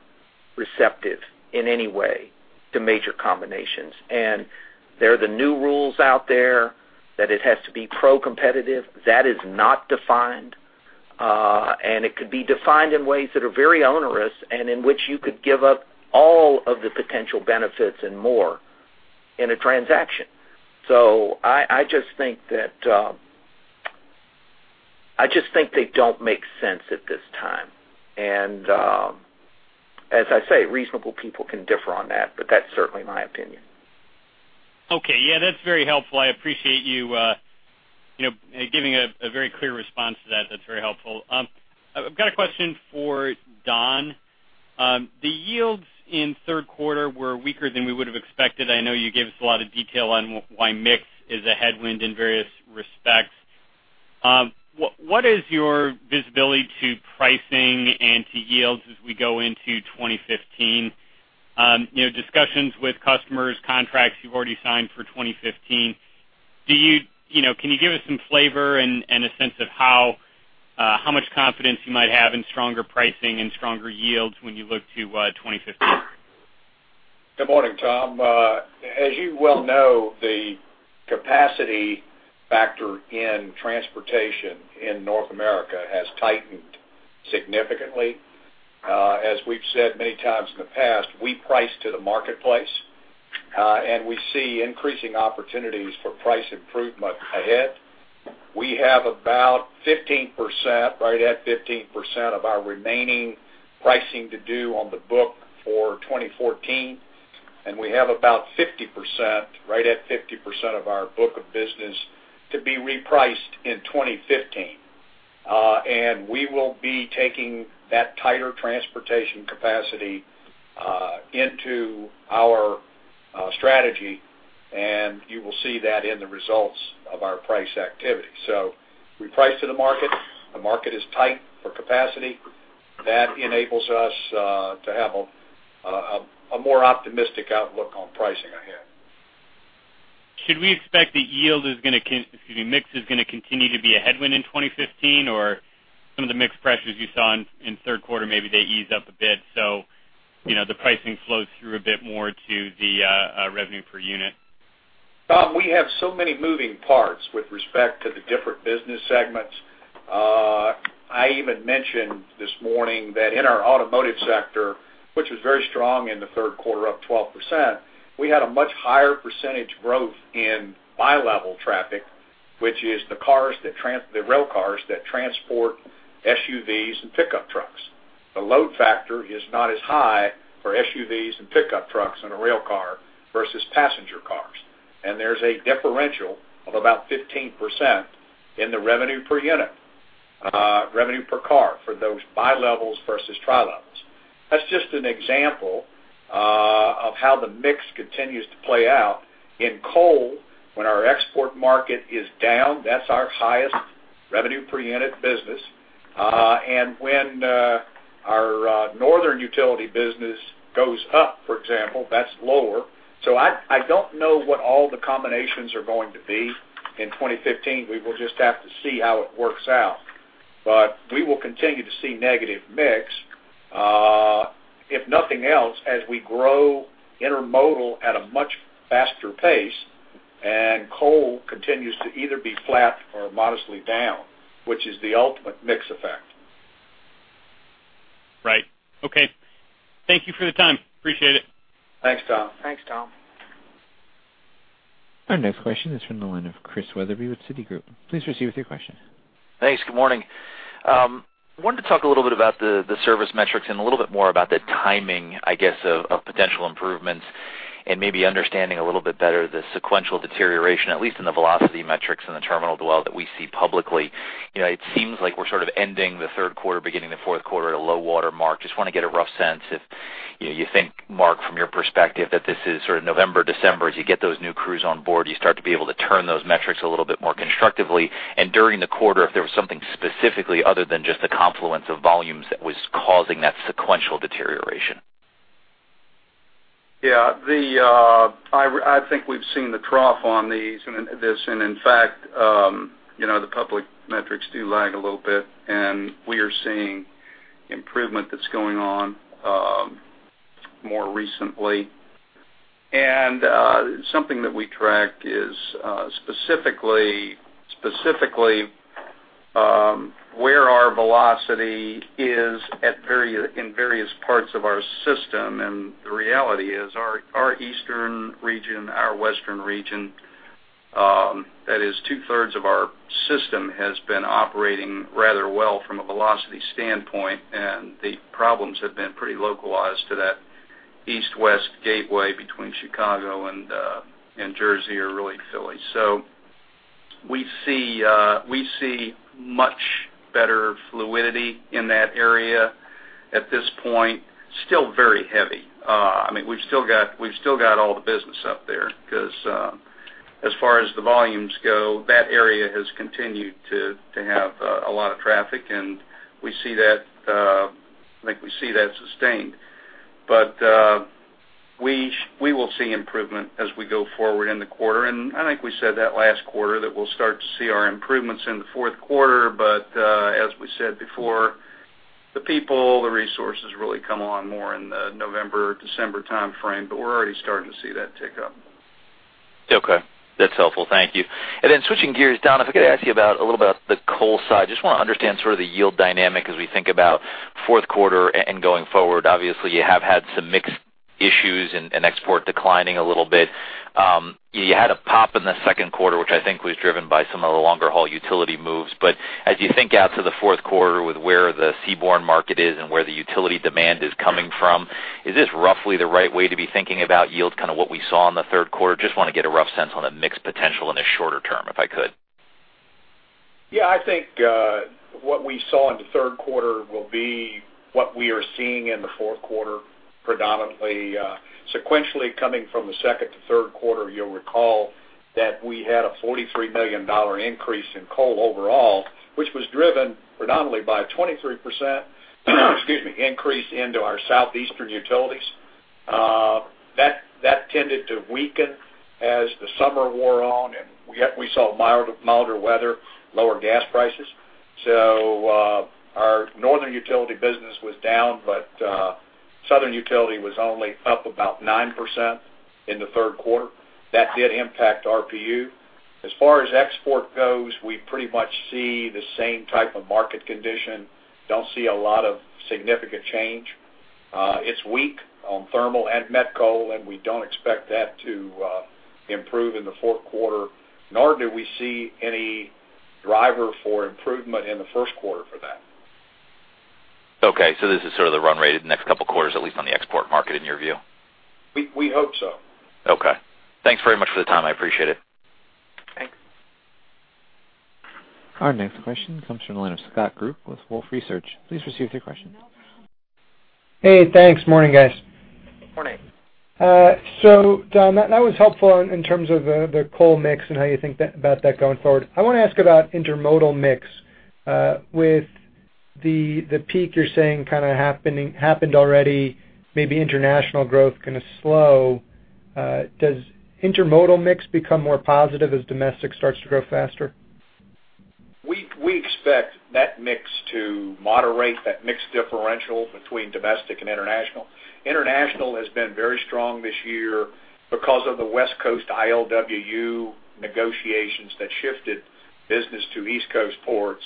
receptive in any way to major combinations. And there are the new rules out there that it has to be pro-competitive. That is not defined, and it could be defined in ways that are very onerous and in which you could give up all of the potential benefits and more in a transaction. So I, I just think that, I just think they don't make sense at this time. As I say, reasonable people can differ on that, but that's certainly my opinion. Okay. Yeah, that's very helpful. I appreciate you, you know, giving a very clear response to that. That's very helpful. I've got a question for Don. The yields in third quarter were weaker than we would have expected. I know you gave us a lot of detail on why mix is a headwind in various respects. What is your visibility to pricing and to yields as we go into 2015? You know, discussions with customers, contracts you've already signed for 2015. Do you, you know, can you give us some flavor and a sense of how much confidence you might have in stronger pricing and stronger yields when you look to 2015? Good morning, Tom. As you well know, the capacity factor in transportation in North America has tightened significantly. As we've said many times in the past, we price to the marketplace, and we see increasing opportunities for price improvement ahead. We have about 15%, right at 15% of our remaining pricing to do on the book for 2014, and we have about 50%, right at 50% of our book of business to be repriced in 2015. And we will be taking that tighter transportation capacity into our strategy, and you will see that in the results of our price activity. So we price to the market. The market is tight for capacity. That enables us to have a more optimistic outlook on pricing ahead. Should we expect the mix is gonna continue to be a headwind in 2015, or some of the mix pressures you saw in third quarter, maybe they ease up a bit, so, you know, the pricing flows through a bit more to the revenue per unit? Tom, we have so many moving parts with respect to the different business segments. I even mentioned this morning that in our automotive sector, which was very strong in the third quarter, up 12%, we had a much higher percentage growth in bi-level traffic, which is the rail cars that transport SUVs and pickup trucks. The load factor is not as high for SUVs and pickup trucks in a rail car versus passenger cars, and there's a differential of about 15% in the revenue per unit, revenue per car for those bi-levels versus tri-levels. That's just an example of how the mix continues to play out. In coal, when our export market is down, that's our highest revenue per unit business. And when our northern utility business goes up, for example, that's lower. So I don't know what all the combinations are going to be in 2015. We will just have to see how it works out, but we will continue to see negative mix, if nothing else, as we grow intermodal at a much faster pace, and coal continues to either be flat or modestly down, which is the ultimate mix effect. Right. Okay. Thank you for the time. Appreciate it. Thanks, Tom. Thanks, Tom. Our next question is from the line of Chris Wetherbee with Citigroup. Please proceed with your question. Thanks. Good morning. Wanted to talk a little bit about the service metrics and a little bit more about the timing, I guess, of potential improvements, and maybe understanding a little bit better the sequential deterioration, at least in the velocity metrics and the terminal dwell that we see publicly. You know, it seems like we're sort of ending the third quarter, beginning the fourth quarter at a low water mark. Just want to get a rough sense if, you know, you think, Mark, from your perspective, that this is sort of November, December, as you get those new crews on board, you start to be able to turn those metrics a little bit more constructively. During the quarter, if there was something specifically, other than just the confluence of volumes, that was causing that sequential deterioration. Yeah, I think we've seen the trough on these, and this, and in fact, you know, the public metrics do lag a little bit, and we are seeing improvement that's going on more recently. Something that we track is specifically where our velocity is at in various parts of our system. The reality is our eastern region, our western region, that is two-thirds of our system, has been operating rather well from a velocity standpoint, and the problems have been pretty localized to that east-west gateway between Chicago and Jersey, or really, Philly. We see much better fluidity in that area at this point. Still very heavy. I mean, we've still got, we've still got all the business up there because as far as the volumes go, that area has continued to have a lot of traffic, and we see that. I think we see that sustained. But we will see improvement as we go forward in the quarter, and I think we said that last quarter, that we'll start to see our improvements in the fourth quarter. But as we said before, the people, the resources really come along more in the November, December timeframe, but we're already starting to see that tick up. Okay, that's helpful. Thank you. And then switching gears, Don, if I could ask you about, a little about the coal side. Just want to understand sort of the yield dynamic as we think about fourth quarter and, and going forward. Obviously, you have had some mix issues and, and export declining a little bit. You had a pop in the second quarter, which I think was driven by some of the longer-haul utility moves. But as you think out to the fourth quarter with where the seaborne market is and where the utility demand is coming from, is this roughly the right way to be thinking about yield, kind of what we saw in the third quarter? Just want to get a rough sense on the mix potential in the shorter term, if I could. Yeah, I think what we saw in the third quarter will be what we are seeing in the fourth quarter, predominantly, sequentially coming from the second to third quarter. You'll recall that we had a $43 million increase in coal overall, which was driven predominantly by a 23%, excuse me, increase into our southeastern utilities. That tended to weaken as the summer wore on, and we saw milder weather, lower gas prices. So, our northern utility business was down, but southern utility was only up about 9% in the third quarter. That did impact RPU. As far as export goes, we pretty much see the same type of market condition. Don't see a lot of significant change. It's weak on thermal and met coal, and we don't expect that to improve in the fourth quarter, nor do we see any driver for improvement in the first quarter for that. Okay, so this is sort of the run rate in the next couple of quarters, at least on the export market, in your view? We hope so. Okay. Thanks very much for the time. I appreciate it. Thanks. Our next question comes from the line of Scott Group with Wolfe Research. Please proceed with your question. Hey, thanks. Morning, guys. Morning. So, Don, that was helpful in terms of the coal mix and how you think that about that going forward. I want to ask about intermodal mix. With the peak, you're saying kind of happening, happened already, maybe international growth going to slow. Does intermodal mix become more positive as domestic starts to grow faster? We expect that mix to moderate, that mix differential between domestic and international. International has been very strong this year because of the West Coast ILWU negotiations that shifted business to East Coast ports.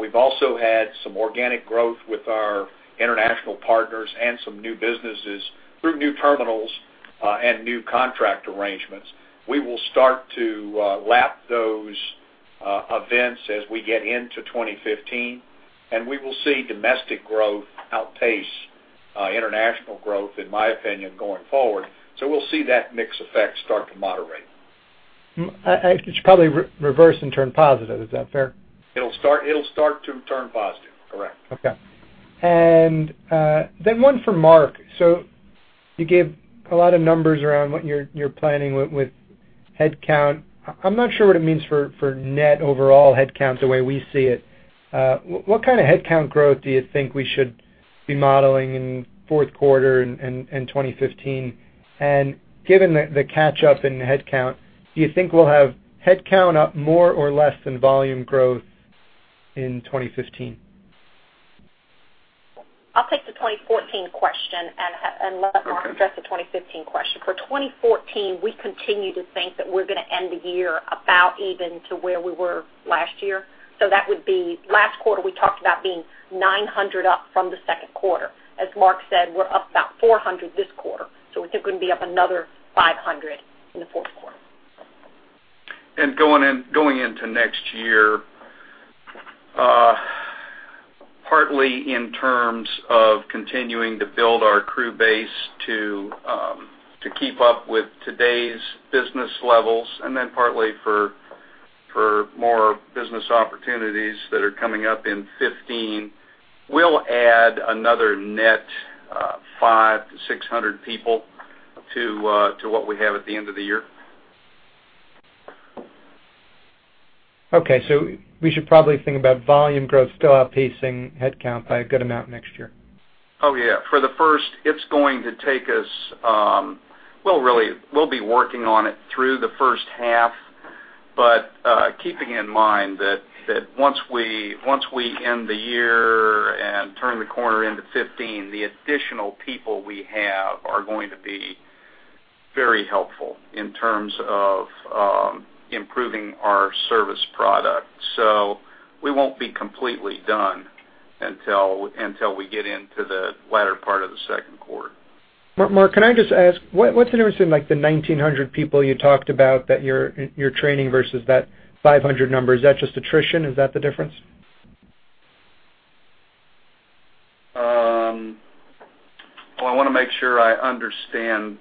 We've also had some organic growth with our international partners and some new businesses through new terminals and new contract arrangements. We will start to lap those events as we get into 2015, and we will see domestic growth outpace international growth, in my opinion, going forward. So we'll see that mix effect start to moderate. It should probably re-reverse and turn positive. Is that fair? It'll start, it'll start to turn positive. Correct. Okay. And then one for Mark: So you gave a lot of numbers around what you're planning with headcount. I'm not sure what it means for net overall headcount the way we see it. What kind of headcount growth do you think we should be modeling in fourth quarter and 2015. And given the catch up in headcount, do you think we'll have headcount up more or less than volume growth in 2015? I'll take the 2014 question and let Mark address the 2015 question. For 2014, we continue to think that we're going to end the year about even to where we were last year. So that would be, last quarter, we talked about being 900 up from the second quarter. As Mark said, we're up about 400 this quarter, so we think we're going to be up another 500 in the fourth quarter. Going into next year, partly in terms of continuing to build our crew base to keep up with today's business levels, and then partly for more business opportunities that are coming up in 15, we'll add another net 500-600 people to what we have at the end of the year. Okay, so we should probably think about volume growth still outpacing headcount by a good amount next year. Oh, yeah. For the first, it's going to take us. Well, really, we'll be working on it through the first half. But, keeping in mind that once we end the year and turn the corner into 2015, the additional people we have are going to be very helpful in terms of improving our service product. So we won't be completely done until we get into the latter part of the second quarter. Mark, can I just ask, what, what's the difference in, like, the 1,900 people you talked about that you're, you're training versus that 500 number? Is that just attrition? Is that the difference? Well, I want to make sure I understand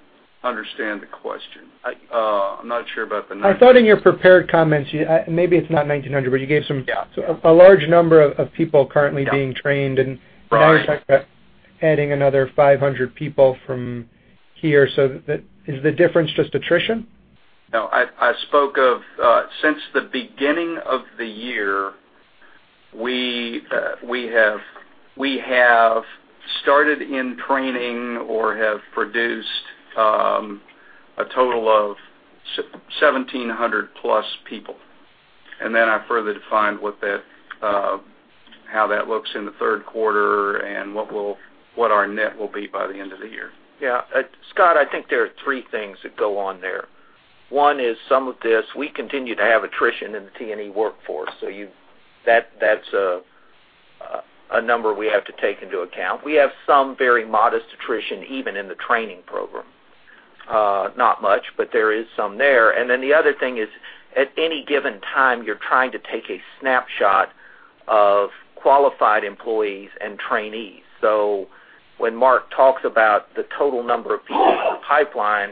the question. I, I'm not sure about the number. I thought in your prepared comments, you, maybe it's not 1,900, but you gave some- Yeah. a large number of people currently being trained- Right. Now you're talking about adding another 500 people from here. So, is the difference just attrition? No, I, I spoke of, since the beginning of the year, we, we have, we have started in training or have produced a total of 1,700 plus people. And then I further defined what that, how that looks in the third quarter and what will, what our net will be by the end of the year. Yeah. Scott, I think there are three things that go on there. One is some of this, we continue to have attrition in the T&E workforce. So, that's a number we have to take into account. We have some very modest attrition, even in the training program. Not much, but there is some there. And then the other thing is, at any given time, you're trying to take a snapshot of qualified employees and trainees. So when Mark talks about the total number of people in the pipeline,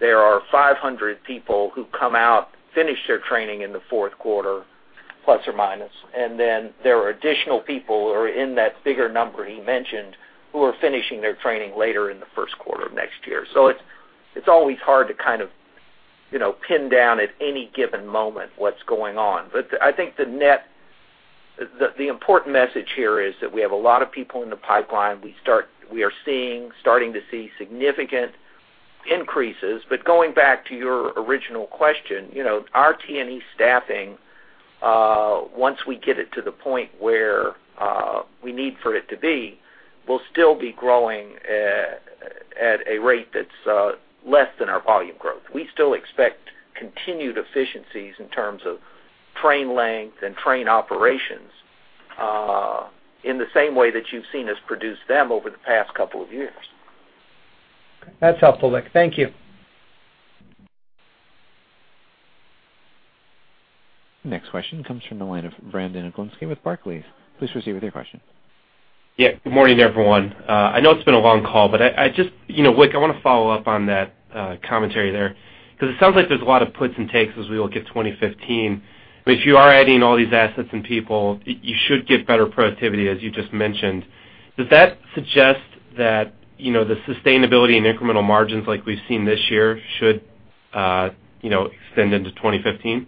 there are 500 people who come out, finish their training in the fourth quarter, plus or minus. And then there are additional people who are in that bigger number he mentioned, who are finishing their training later in the first quarter of next year. So it's always hard to kind of, you know, pin down at any given moment what's going on. But I think the net, the important message here is that we have a lot of people in the pipeline. We are starting to see significant increases. But going back to your original question, you know, our T&E staffing, once we get it to the point where we need for it to be, will still be growing at a rate that's less than our volume growth. We still expect continued efficiencies in terms of train length and train operations, in the same way that you've seen us produce them over the past couple of years. That's helpful, Wick. Thank you. Next question comes from the line of Brandon Oglenski with Barclays. Please proceed with your question. Yeah. Good morning, everyone. I know it's been a long call, but I just, you know, Wick, I want to follow up on that commentary there, because it sounds like there's a lot of puts and takes as we look at 2015. But if you are adding all these assets and people, you should get better productivity, as you just mentioned. Does that suggest that, you know, the sustainability and incremental margins like we've seen this year should, you know, extend into 2015?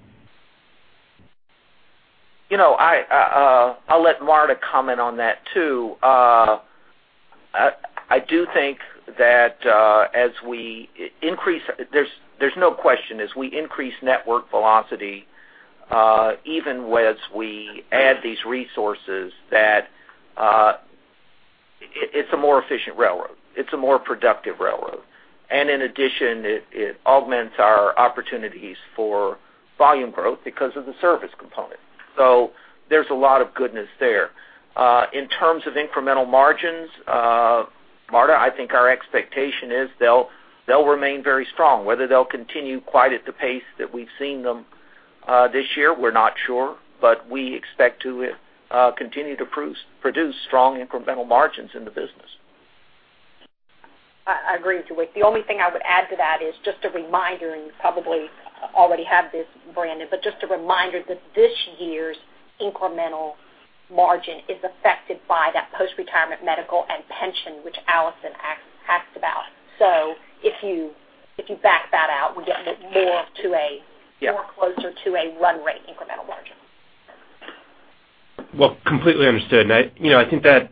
You know, I'll let Marta comment on that, too. I do think that as we increase network velocity, even as we add these resources, that it's a more efficient railroad. It's a more productive railroad. And in addition, it augments our opportunities for volume growth because of the service component. So there's a lot of goodness there. In terms of incremental margins, Marta, I think our expectation is they'll remain very strong. Whether they'll continue quite at the pace that we've seen them this year, we're not sure, but we expect to continue to produce strong incremental margins in the business. I agree with you, Wick. The only thing I would add to that is just a reminder, and you probably already have this, Brandon, but just a reminder that this year's incremental margin is affected by that post-retirement medical and pension, which Allison asked about. So if you back that out, we get a bit more to a- Yeah. more closer to a run rate incremental margin.... Well, completely understood. I, you know, I think that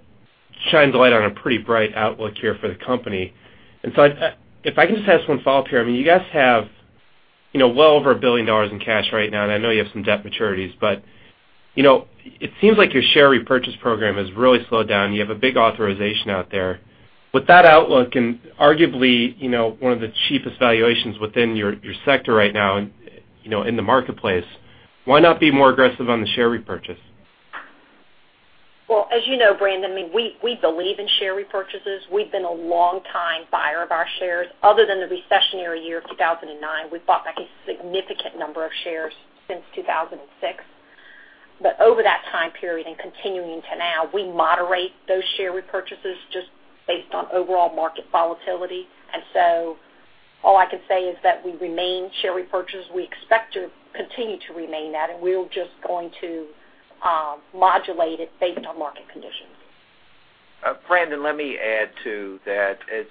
shines a light on a pretty bright outlook here for the company. So if I, if I can just ask one follow-up here, I mean, you guys have, you know, well over $1 billion in cash right now, and I know you have some debt maturities, but, you know, it seems like your share repurchase program has really slowed down. You have a big authorization out there. With that outlook and arguably, you know, one of the cheapest valuations within your, your sector right now, you know, in the marketplace, why not be more aggressive on the share repurchase? Well, as you know, Brandon, I mean, we, we believe in share repurchases. We've been a longtime buyer of our shares. Other than the recessionary year of 2009, we've bought back a significant number of shares since 2006. But over that time period and continuing to now, we moderate those share repurchases just based on overall market volatility. And so all I can say is that we remain share repurchases. We expect to continue to remain that, and we're just going to modulate it based on market conditions. Brandon, let me add to that. As,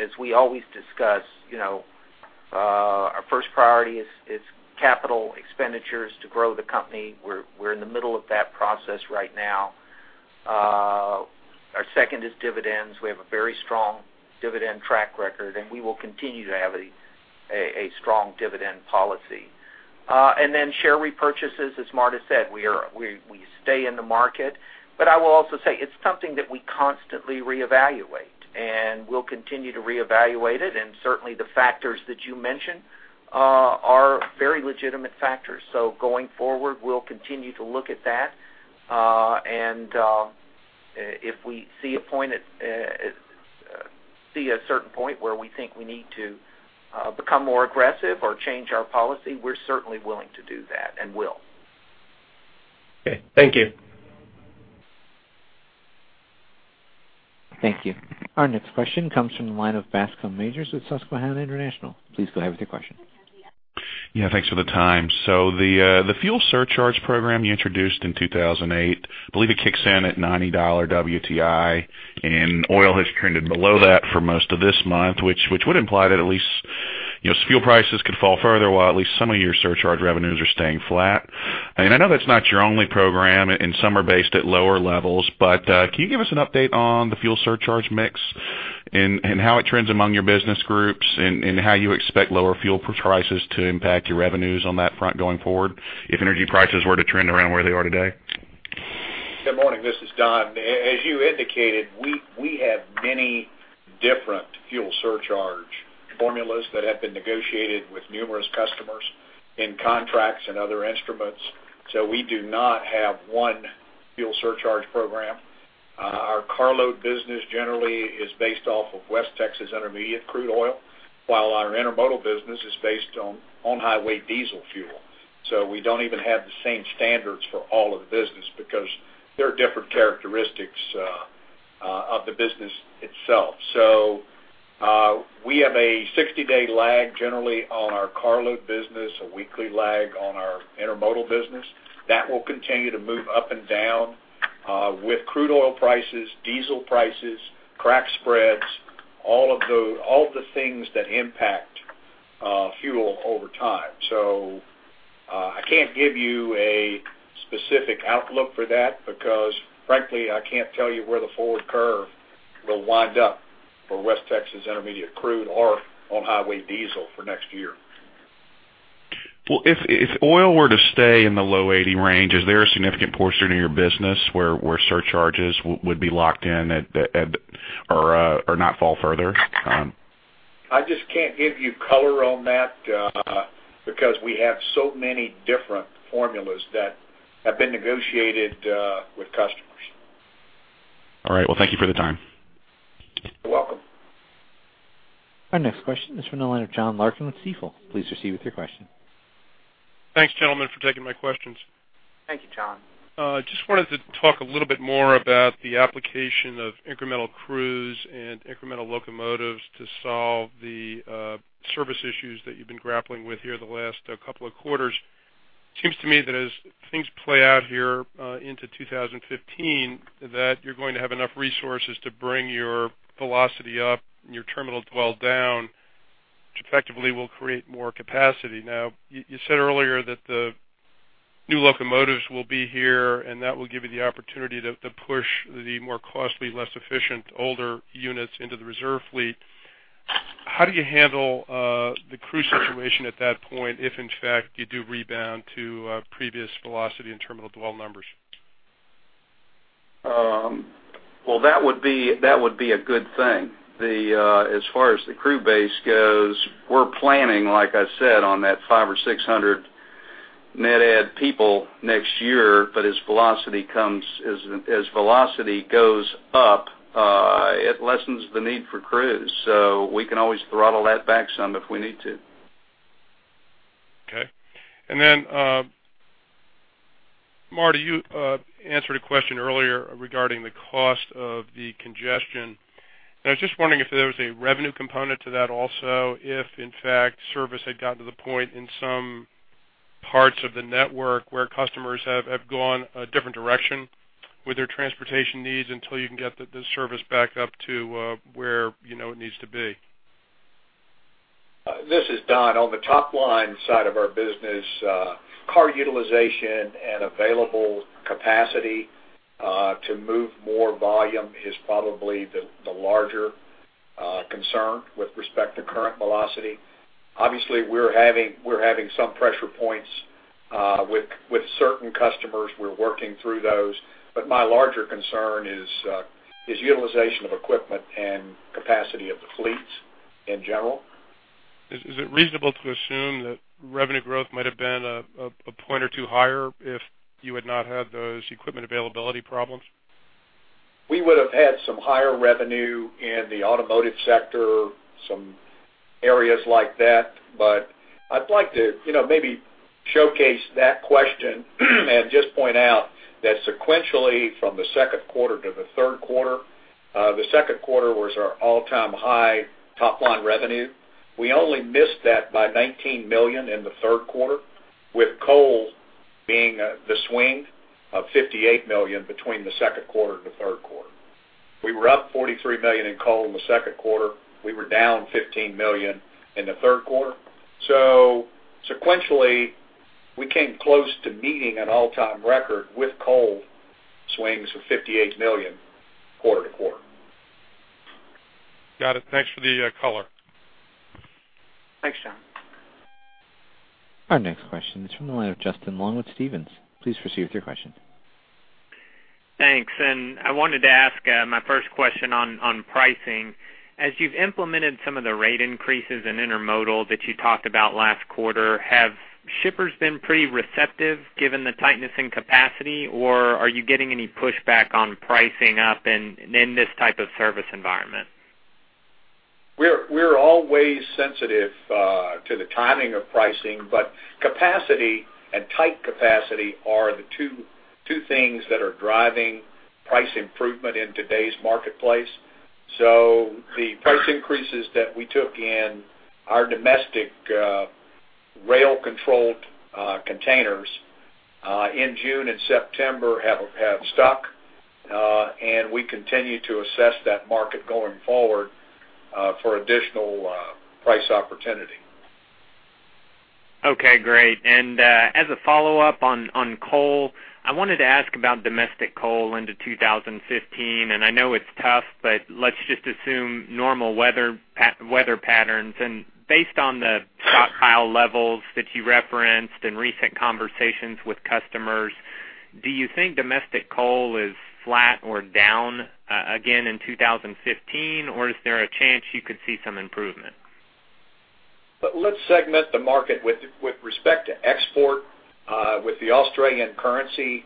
as we always discuss, you know, our first priority is, is capital expenditures to grow the company. We're, we're in the middle of that process right now. Our second is dividends. We have a very strong dividend track record, and we will continue to have a, a, a strong dividend policy. And then share repurchases, as Marta said, we are, we, we stay in the market. But I will also say it's something that we constantly reevaluate, and we'll continue to reevaluate it. And certainly, the factors that you mentioned are very legitimate factors. So going forward, we'll continue to look at that. If we see a certain point where we think we need to become more aggressive or change our policy, we're certainly willing to do that and will. Okay. Thank you. Thank you. Our next question comes from the line of Bascom Majors with Susquehanna International. Please go ahead with your question. Yeah, thanks for the time. So the fuel surcharge program you introduced in 2008, I believe it kicks in at $90 WTI, and oil has trended below that for most of this month, which would imply that at least, you know, fuel prices could fall further, while at least some of your surcharge revenues are staying flat. And I know that's not your only program, and some are based at lower levels, but can you give us an update on the fuel surcharge mix and how it trends among your business groups, and how you expect lower fuel prices to impact your revenues on that front going forward, if energy prices were to trend around where they are today? Good morning. This is Don. As you indicated, we, we have many different fuel surcharge formulas that have been negotiated with numerous customers in contracts and other instruments. So we do not have one fuel surcharge program. Our carload business generally is based off of West Texas Intermediate crude oil, while our intermodal business is based on, on highway diesel fuel. So we don't even have the same standards for all of the business because there are different characteristics of the business itself. So we have a 60-day lag generally on our carload business, a weekly lag on our intermodal business. That will continue to move up and down with crude oil prices, diesel prices, crack spreads, all of the things that impact fuel over time. I can't give you a specific outlook for that because, frankly, I can't tell you where the forward curve will wind up for West Texas Intermediate crude or on highway diesel for next year. Well, if oil were to stay in the low 80 range, is there a significant portion of your business where surcharges would be locked in at the or not fall further? I just can't give you color on that, because we have so many different formulas that have been negotiated, with customers. All right. Well, thank you for the time. You're welcome. Our next question is from the line of John Larkin with Stifel. Please proceed with your question. Thanks, gentlemen, for taking my questions. Thank you, John. Just wanted to talk a little bit more about the application of incremental crews and incremental locomotives to solve the service issues that you've been grappling with here the last couple of quarters. It seems to me that as things play out here into 2015, that you're going to have enough resources to bring your velocity up and your terminal dwell down, which effectively will create more capacity. Now, you said earlier that the new locomotives will be here, and that will give you the opportunity to push the more costly, less efficient, older units into the reserve fleet. How do you handle the crew situation at that point, if in fact, you do rebound to previous velocity and terminal dwell numbers? Well, that would be a good thing. As far as the crew base goes, we're planning, like I said, on that 500 or 600 net add people next year, but as velocity goes up, it lessens the need for crews, so we can always throttle that back some if we need to. Okay. And then, Marta, you answered a question earlier regarding the cost of the congestion, and I was just wondering if there was a revenue component to that also, if in fact, service had gotten to the point in some parts of the network where customers have, have gone a different direction with their transportation needs until you can get the, the service back up to, where, you know, it needs to be? ...This is Don. On the top line side of our business, car utilization and available capacity to move more volume is probably the, the larger concern with respect to current velocity. Obviously, we're having, we're having some pressure points with, with certain customers. We're working through those. But my larger concern is, is utilization of equipment and capacity of the fleets in general. Is it reasonable to assume that revenue growth might have been a point or two higher if you had not had those equipment availability problems? We would have had some higher revenue in the automotive sector, some areas like that. But I'd like to, you know, maybe showcase that question and just point out that sequentially, from the second quarter to the third quarter, the second quarter was our all-time high top line revenue. We only missed that by $19 million in the third quarter, with coal being the swing of $58 million between the second quarter to third quarter. We were up $43 million in coal in the second quarter. We were down $15 million in the third quarter. So sequentially, we came close to meeting an all-time record with coal swings of $58 million quarter to quarter. Got it. Thanks for the color. Thanks, John. Our next question is from the line of Justin Long with Stephens. Please proceed with your question. Thanks, and I wanted to ask my first question on pricing. As you've implemented some of the rate increases in Intermodal that you talked about last quarter, have shippers been pretty receptive given the tightness in capacity, or are you getting any pushback on pricing up in this type of service environment? We're always sensitive to the timing of pricing, but capacity and tight capacity are the two things that are driving price improvement in today's marketplace. So the price increases that we took in our domestic rail-controlled containers in June and September have stuck, and we continue to assess that market going forward for additional price opportunity. Okay, great. And as a follow-up on coal, I wanted to ask about domestic coal into 2015, and I know it's tough, but let's just assume normal weather patterns. And based on the stockpile levels that you referenced in recent conversations with customers, do you think domestic coal is flat or down again in 2015, or is there a chance you could see some improvement? But let's segment the market with, with respect to export, with the Australian currency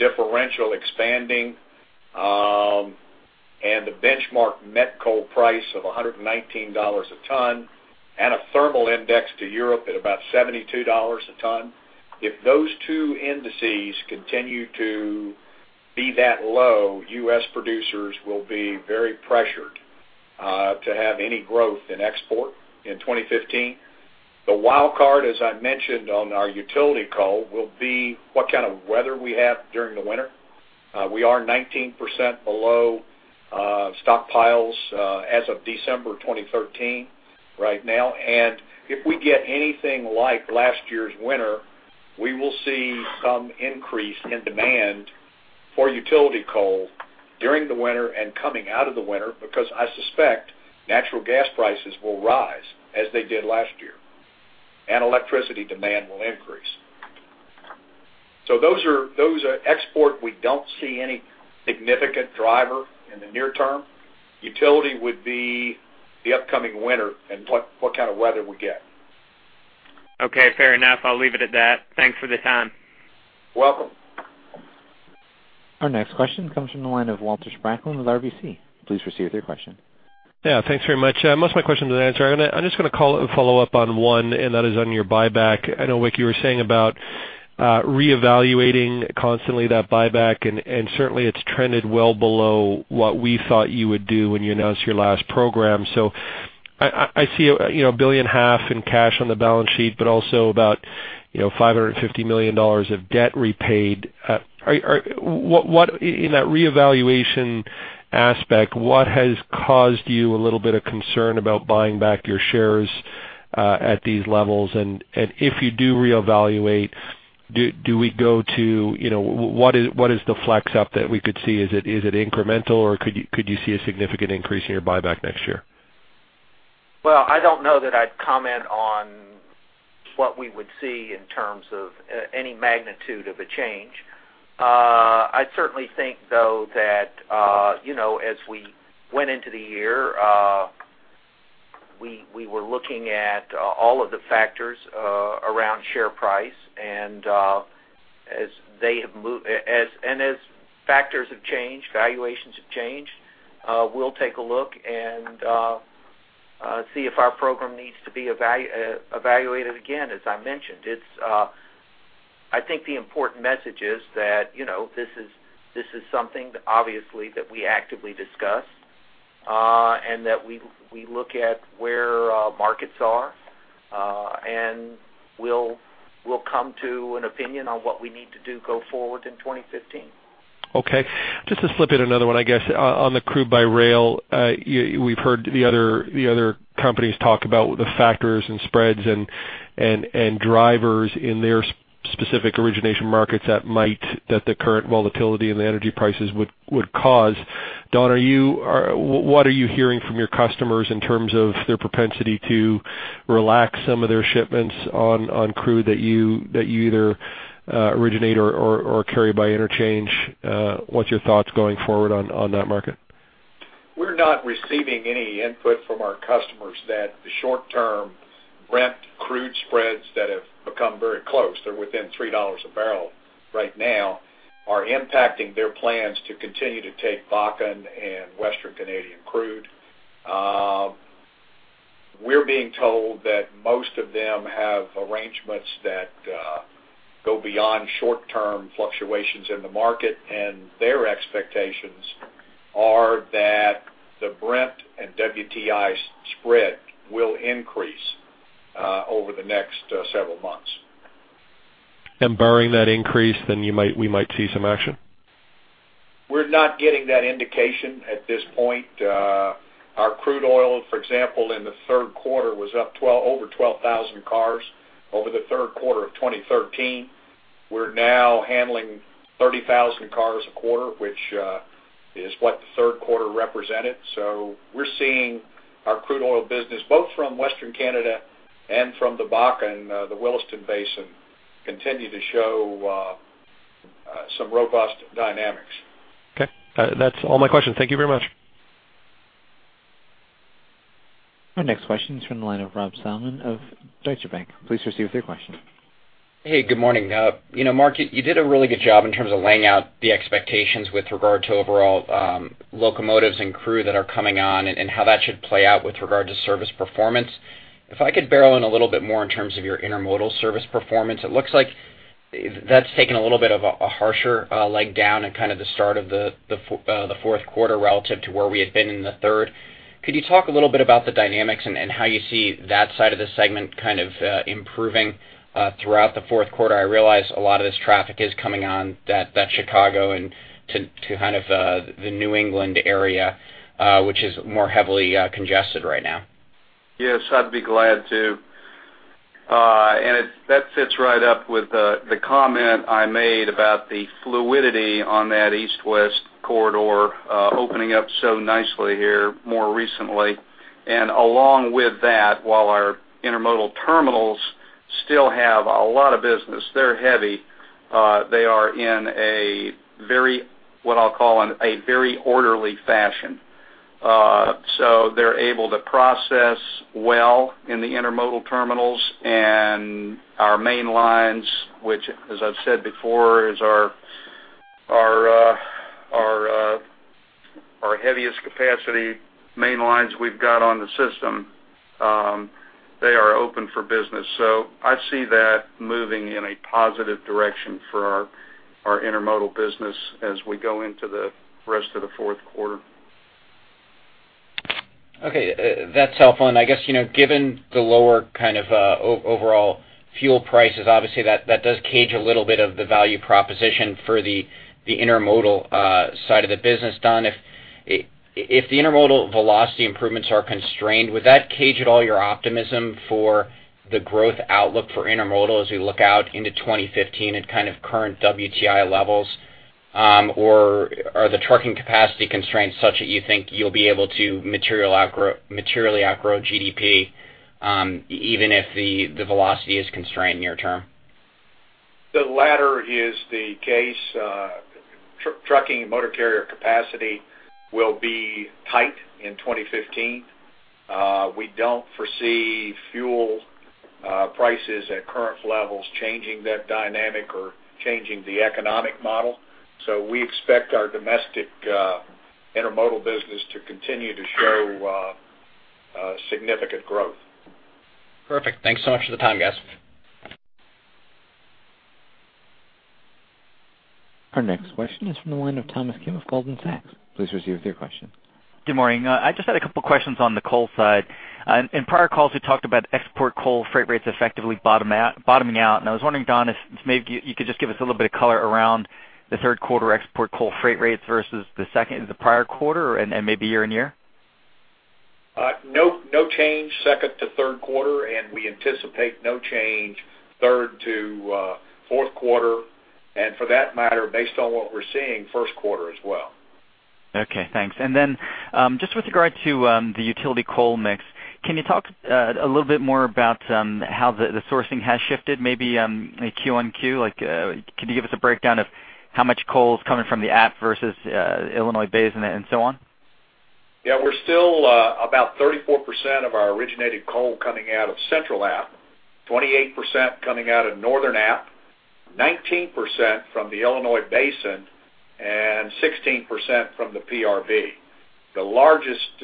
differential expanding, and the benchmark met coal price of $119 a ton and a thermal index to Europe at about $72 a ton. If those two indices continue to be that low, U.S. producers will be very pressured, to have any growth in export in 2015. The wild card, as I mentioned on our utility call, will be what kind of weather we have during the winter. We are 19% below, stockpiles, as of December 2013, right now. If we get anything like last year's winter, we will see some increase in demand for utility coal during the winter and coming out of the winter, because I suspect natural gas prices will rise as they did last year, and electricity demand will increase. So those are, those are export, we don't see any significant driver in the near term. Utility would be the upcoming winter and what, what kind of weather we get. Okay, fair enough. I'll leave it at that. Thanks for the time. Welcome. Our next question comes from the line of Walter Spracklin with RBC. Please proceed with your question. Yeah, thanks very much. Most of my questions were answered. I'm just gonna call, follow up on one, and that is on your buyback. I know, Wick, you were saying about reevaluating constantly that buyback, and certainly, it's trended well below what we thought you would do when you announced your last program. So I see, you know, $1.5 billion in cash on the balance sheet, but also about, you know, $550 million of debt repaid. What, in that reevaluation aspect, what has caused you a little bit of concern about buying back your shares at these levels? And if you do reevaluate, do we go to, you know, what is the flex up that we could see? Is it incremental, or could you see a significant increase in your buyback next year? Well, I don't know that I'd comment on what we would see in terms of any magnitude of a change. I certainly think, though, that you know, as we went into the year, we were looking at all of the factors around share price, and as they have moved—as, and as factors have changed, valuations have changed, we'll take a look and see if our program needs to be evaluated again, as I mentioned. It's I think the important message is that you know, this is, this is something obviously that we actively discuss, and that we look at where markets are, and we'll come to an opinion on what we need to do going forward in 2015.... Okay. Just to slip in another one, I guess, on the crude by rail, we've heard the other, the other companies talk about the factors and spreads and, and, and drivers in their specific origination markets that might-- that the current volatility in the energy prices would, would cause. Don, what are you hearing from your customers in terms of their propensity to relax some of their shipments on, on crude that you, that you either, originate or, or, or carry by interchange? What's your thoughts going forward on, on that market? We're not receiving any input from our customers that the short-term Brent crude spreads that have become very close, they're within $3 a barrel right now, are impacting their plans to continue to take Bakken and Western Canadian crude. We're being told that most of them have arrangements that go beyond short-term fluctuations in the market, and their expectations are that the Brent and WTI spread will increase over the next several months. Barring that increase, then you might, we might see some action? We're not getting that indication at this point. Our crude oil, for example, in the third quarter, was up over 12,000 cars over the third quarter of 2013. We're now handling 30,000 cars a quarter, which is what the third quarter represented. So we're seeing our crude oil business, both from Western Canada and from the Bakken, the Williston Basin, continue to show some robust dynamics. Okay. That's all my questions. Thank you very much. Our next question is from the line of Rob Salmon of Deutsche Bank. Please proceed with your question. Hey, good morning. You know, Mark, you did a really good job in terms of laying out the expectations with regard to overall, locomotives and crew that are coming on and how that should play out with regard to service performance. If I could barrel in a little bit more in terms of your intermodal service performance, it looks like that's taken a little bit of a harsher leg down in kind of the start of the fourth quarter relative to where we had been in the third. Could you talk a little bit about the dynamics and how you see that side of the segment kind of improving throughout the fourth quarter? I realize a lot of this traffic is coming on that, that Chicago and to, to kind of, the New England area, which is more heavily, congested right now. Yes, I'd be glad to. And that fits right up with the comment I made about the fluidity on that East-West corridor, opening up so nicely here more recently. And along with that, while our intermodal terminals still have a lot of business, they're heavy, they are in a very, what I'll call, in a very orderly fashion. So they're able to process well in the intermodal terminals. And our main lines, which, as I've said before, is our heaviest capacity main lines we've got on the system, they are open for business. So I see that moving in a positive direction for our intermodal business as we go into the rest of the fourth quarter. Okay, that's helpful. And I guess, you know, given the lower kind of, overall fuel prices, obviously, that, that does cage a little bit of the value proposition for the, the intermodal, side of the business. Don, if the intermodal velocity improvements are constrained, would that cage at all your optimism for the growth outlook for intermodal as we look out into 2015 at kind of current WTI levels? Or are the trucking capacity constraints such that you think you'll be able to materially outgrow GDP, even if the, the velocity is constrained near term? The latter is the case. Truck, trucking and motor carrier capacity will be tight in 2015. We don't foresee fuel prices at current levels changing that dynamic or changing the economic model. So we expect our domestic intermodal business to continue to show significant growth. Perfect. Thanks so much for the time, guys. Our next question is from the line of Thomas Kim of Goldman Sachs. Please receive your question. Good morning. I just had a couple questions on the coal side. In prior calls, you talked about export coal freight rates effectively bottoming out. And I was wondering, Don, if maybe you could just give us a little bit of color around the third quarter export coal freight rates versus the second and the prior quarter or, and, and maybe year and year? No, no change second to third quarter, and we anticipate no change third to fourth quarter, and for that matter, based on what we're seeing, first quarter as well. Okay, thanks. And then, just with regard to the utility coal mix, can you talk a little bit more about how the sourcing has shifted, maybe Q on Q? Like, can you give us a breakdown of how much coal is coming from the App versus Illinois Basin and so on? Yeah. We're still about 34% of our originated coal coming out of Central Appalachia, 28% coming out of Northern Appalachia, 19% from the Illinois Basin, and 16% from the PRB. The largest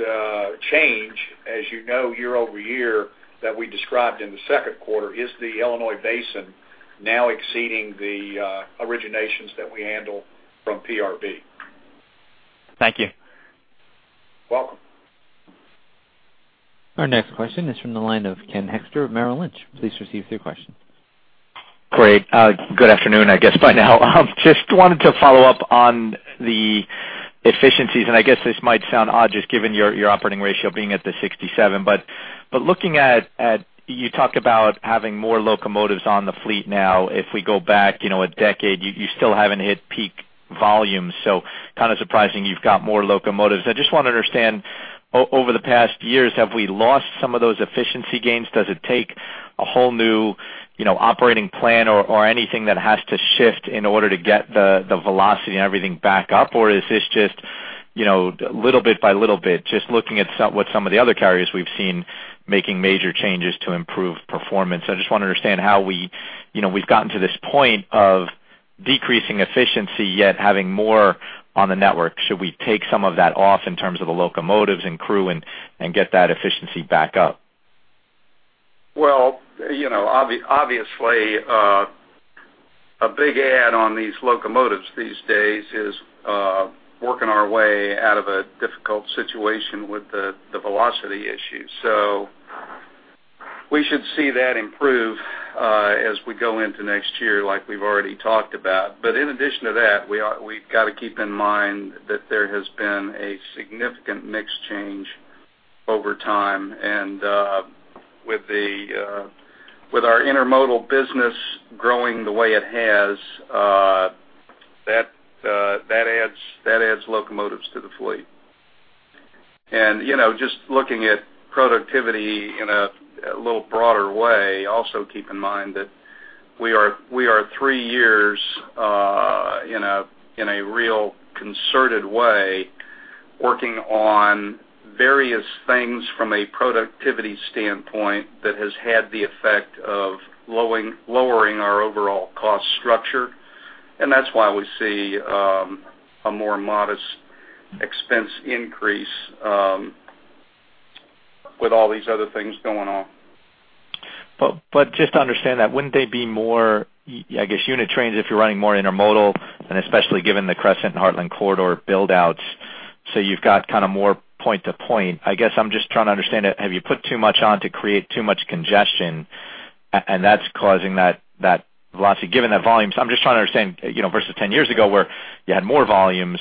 change, as you know, year-over-year, that we described in the second quarter, is the Illinois Basin now exceeding the originations that we handle from PRB. Thank you. Welcome. ...Our next question is from the line of Ken Hoexter of Merrill Lynch. Please receive your question. Great. Good afternoon, I guess, by now. Just wanted to follow up on the efficiencies, and I guess this might sound odd, just given your operating ratio being at 67. But looking at, you talked about having more locomotives on the fleet now. If we go back, you know, a decade, you still haven't hit peak volume, so kind of surprising you've got more locomotives. I just want to understand, over the past years, have we lost some of those efficiency gains? Does it take a whole new, you know, operating plan or anything that has to shift in order to get the velocity and everything back up? Or is this just, you know, little bit by little bit, just looking at what some of the other carriers we've seen making major changes to improve performance. I just want to understand how we, you know, we've gotten to this point of decreasing efficiency, yet having more on the network. Should we take some of that off in terms of the locomotives and crew and get that efficiency back up? Well, you know, obviously, a big add on these locomotives these days is working our way out of a difficult situation with the velocity issue. So we should see that improve as we go into next year, like we've already talked about. But in addition to that, we've got to keep in mind that there has been a significant mix change over time, and with our intermodal business growing the way it has, that adds locomotives to the fleet. And, you know, just looking at productivity in a little broader way, also keep in mind that we are three years in a real concerted way, working on various things from a productivity standpoint that has had the effect of lowering our overall cost structure. That's why we see a more modest expense increase with all these other things going on. But just to understand that, wouldn't they be more, I guess, unit trains, if you're running more intermodal, and especially given the Crescent and Heartland Corridor buildouts, so you've got kind of more point to point? I guess I'm just trying to understand, have you put too much on to create too much congestion, and that's causing that velocity, given the volumes? I'm just trying to understand, you know, versus 10 years ago, where you had more volumes,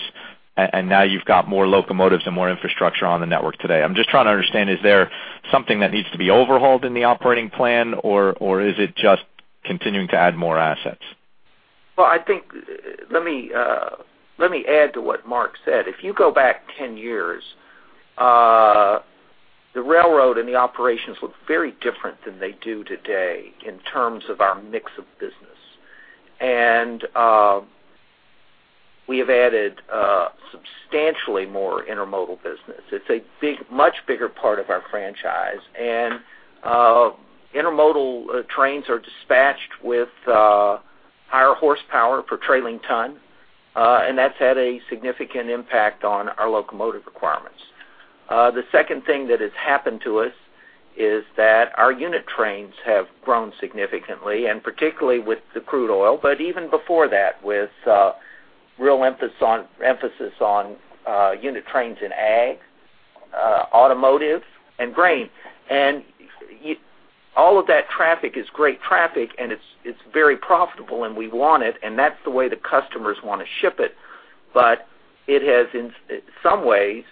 and now you've got more locomotives and more infrastructure on the network today. I'm just trying to understand, is there something that needs to be overhauled in the operating plan, or is it just continuing to add more assets? Well, I think, let me let me add to what Mark said. If you go back 10 years, the railroad and the operations looked very different than they do today in terms of our mix of business. And we have added substantially more intermodal business. It's a big, much bigger part of our franchise, and intermodal trains are dispatched with higher horsepower per trailing ton, and that's had a significant impact on our locomotive requirements. The second thing that has happened to us is that our unit trains have grown significantly, and particularly with the crude oil, but even before that, with real emphasis on unit trains in ag, automotive and grain. And all of that traffic is great traffic, and it's, it's very profitable, and we want it, and that's the way the customers want to ship it. But it has, in some ways,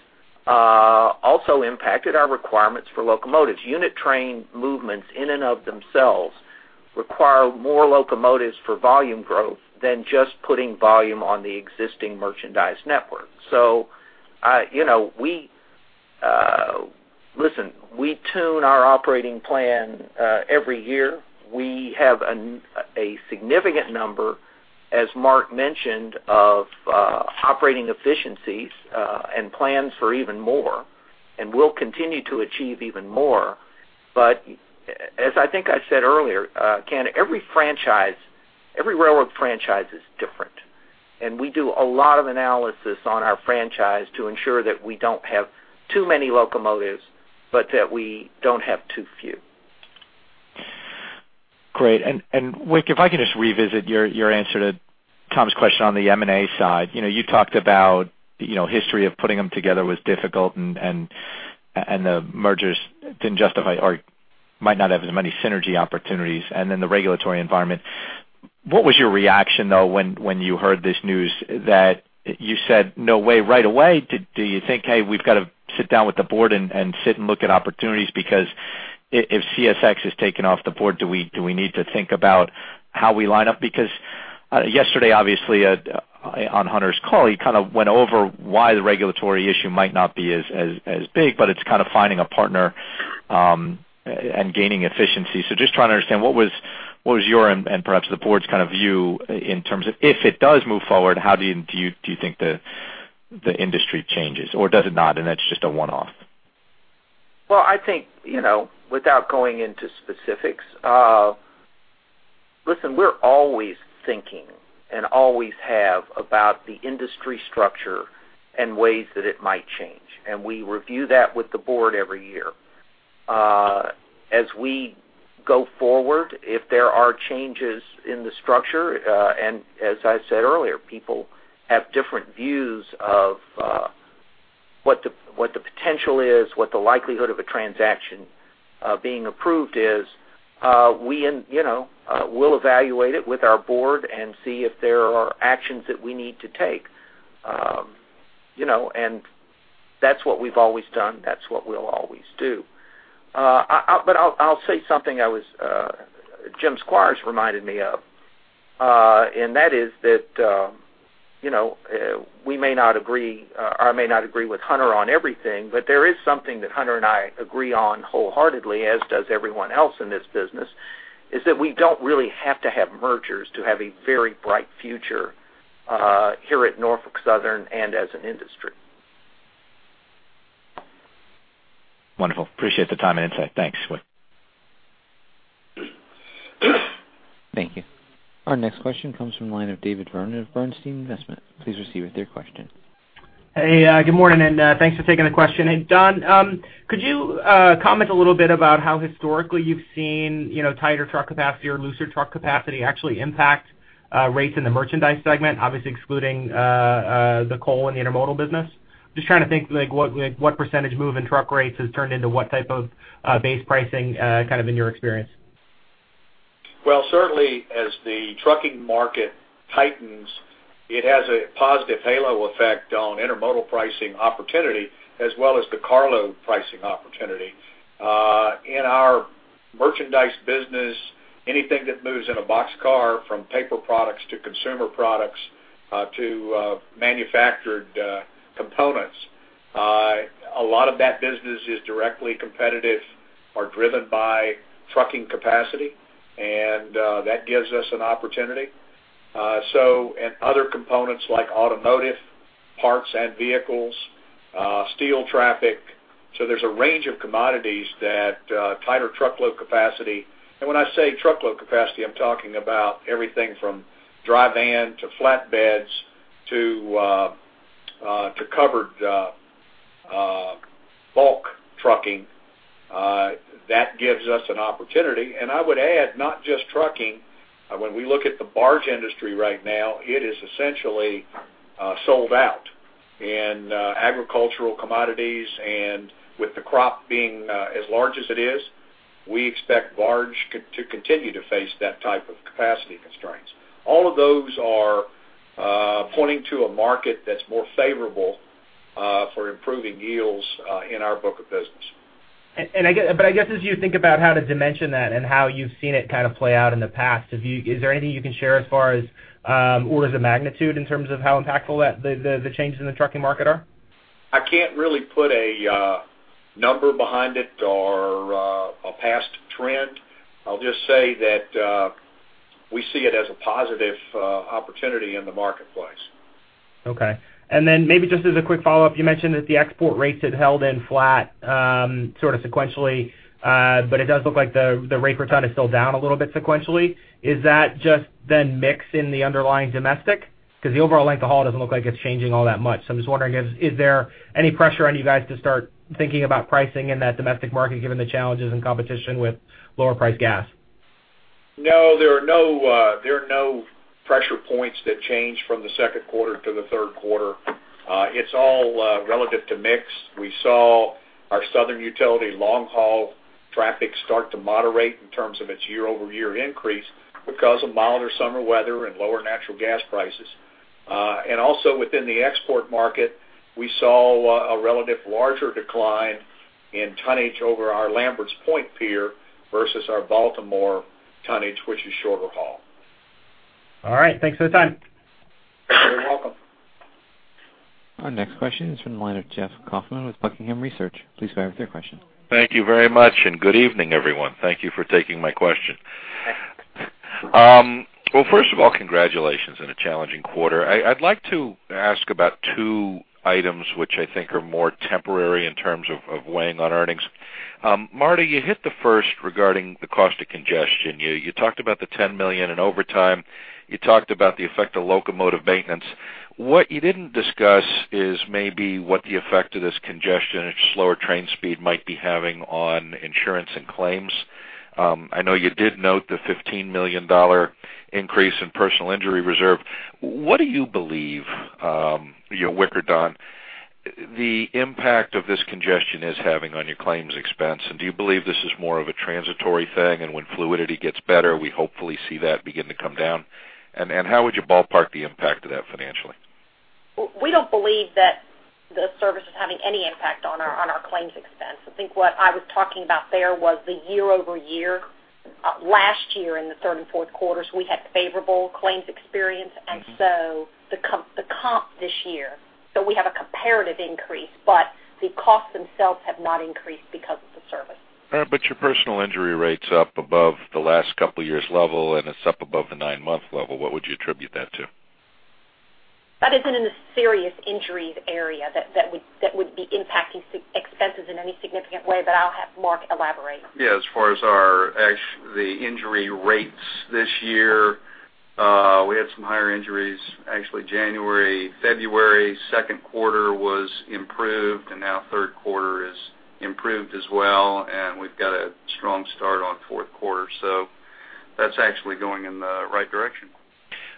also impacted our requirements for locomotives. Unit train movements in and of themselves require more locomotives for volume growth than just putting volume on the existing merchandise network. So, you know, we... Listen, we tune our operating plan every year. We have a significant number, as Mark mentioned, of operating efficiencies and plans for even more, and we'll continue to achieve even more. But as I think I said earlier, Ken, every franchise, every railroad franchise is different, and we do a lot of analysis on our franchise to ensure that we don't have too many locomotives, but that we don't have too few. Great. And Wick, if I can just revisit your answer to Tom's question on the M&A side. You know, you talked about, you know, history of putting them together was difficult and the mergers didn't justify or might not have as many synergy opportunities, and then the regulatory environment. What was your reaction, though, when you heard this news that you said, "No way," right away? Do you think, Hey, we've got to sit down with the board and sit and look at opportunities? Because if CSX is taken off the board, do we need to think about how we line up? Because yesterday, obviously, on Hunter's call, he kind of went over why the regulatory issue might not be as big, but it's kind of finding a partner and gaining efficiency. So, just trying to understand what was your and perhaps the board's kind of view in terms of if it does move forward, how do you think the industry changes, or does it not, and that's just a one-off? Well, I think, you know, without going into specifics, listen, we're always thinking and always have about the industry structure and ways that it might change, and we review that with the board every year. As we go forward, if there are changes in the structure, and as I said earlier, people have different views of what the potential is, what the likelihood of a transaction being approved is, we, and, you know, we'll evaluate it with our board and see if there are actions that we need to take. You know, and that's what we've always done. That's what we'll always do. But I'll say something that Jim Squires reminded me of, and that is that, you know, we may not agree or I may not agree with Hunter on everything, but there is something that Hunter and I agree on wholeheartedly, as does everyone else in this business, is that we don't really have to have mergers to have a very bright future here at Norfolk Southern and as an industry. Wonderful. Appreciate the time and insight. Thanks, Wick. Thank you. Our next question comes from the line of David Vernon of Bernstein. Please proceed with your question. Hey, good morning, and, thanks for taking the question. Hey, Don, could you comment a little bit about how historically you've seen, you know, tighter truck capacity or looser truck capacity actually impact rates in the merchandise segment, obviously excluding the coal and the intermodal business? Just trying to think, like, what, like, what percentage move in truck rates has turned into what type of base pricing kind of in your experience. Well, certainly, as the trucking market tightens, it has a positive halo effect on intermodal pricing opportunity, as well as the carload pricing opportunity. In our merchandise business, anything that moves in a box car, from paper products to consumer products, to manufactured components, a lot of that business is directly competitive or driven by trucking capacity, and that gives us an opportunity. So, and other components like automotive parts and vehicles, steel traffic. So there's a range of commodities that tighter truckload capacity—and when I say truckload capacity, I'm talking about everything from dry van to flatbeds to covered bulk trucking. That gives us an opportunity, and I would add, not just trucking. When we look at the barge industry right now, it is essentially sold out in agricultural commodities, and with the crop being as large as it is, we expect barge to continue to face that type of capacity constraints. All of those are pointing to a market that's more favorable for improving yields in our book of business. But I guess as you think about how to dimension that and how you've seen it kind of play out in the past, is there anything you can share as far as orders of magnitude in terms of how impactful that, the changes in the trucking market are? I can't really put a number behind it or a past trend. I'll just say that we see it as a positive opportunity in the marketplace. Okay. And then maybe just as a quick follow-up, you mentioned that the export rates had held flat, sort of sequentially, but it does look like the rate per ton is still down a little bit sequentially. Is that just the mix in the underlying domestic? Because the overall length of haul doesn't look like it's changing all that much. So I'm just wondering, is there any pressure on you guys to start thinking about pricing in that domestic market, given the challenges and competition with lower priced gas? No, there are no, there are no pressure points that changed from the second quarter to the third quarter. It's all, relative to mix. We saw our southern utility long-haul traffic start to moderate in terms of its year-over-year increase because of milder summer weather and lower natural gas prices. And also within the export market, we saw a relative larger decline in tonnage over our Lamberts Point pier versus our Baltimore tonnage, which is shorter haul. All right. Thanks for the time. You're welcome. Our next question is from the line of Jeff Kauffman with Buckingham Research. Please go ahead with your question. Thank you very much, and good evening, everyone. Thank you for taking my question. Well, first of all, congratulations on a challenging quarter. I'd like to ask about two items, which I think are more temporary in terms of, of weighing on earnings. Marta, you hit the first regarding the cost of congestion. You talked about the $10 million in overtime. You talked about the effect of locomotive maintenance. What you didn't discuss is maybe what the effect of this congestion and slower train speed might be having on insurance and claims. I know you did note the $15 million increase in personal injury reserve. What do you believe, you know, Wick or Don, the impact of this congestion is having on your claims expense? Do you believe this is more of a transitory thing, and when fluidity gets better, we hopefully see that begin to come down? How would you ballpark the impact of that financially? We don't believe that the service is having any impact on our, on our claims expense. I think what I was talking about there was the year-over-year, last year in the third and fourth quarters, we had favorable claims experience- Mm-hmm. and so the comp this year. So we have a comparative increase, but the costs themselves have not increased because of the service. All right, but your personal injury rate's up above the last couple of years' level, and it's up above the nine-month level. What would you attribute that to? That isn't in the serious injuries area that would be impacting expenses in any significant way, but I'll have Mark elaborate. Yeah, as far as our injury rates this year, we had some higher injuries. Actually, January, February, second quarter was improved, and now third quarter is improved as well, and we've got a strong start on fourth quarter. So that's actually going in the right direction.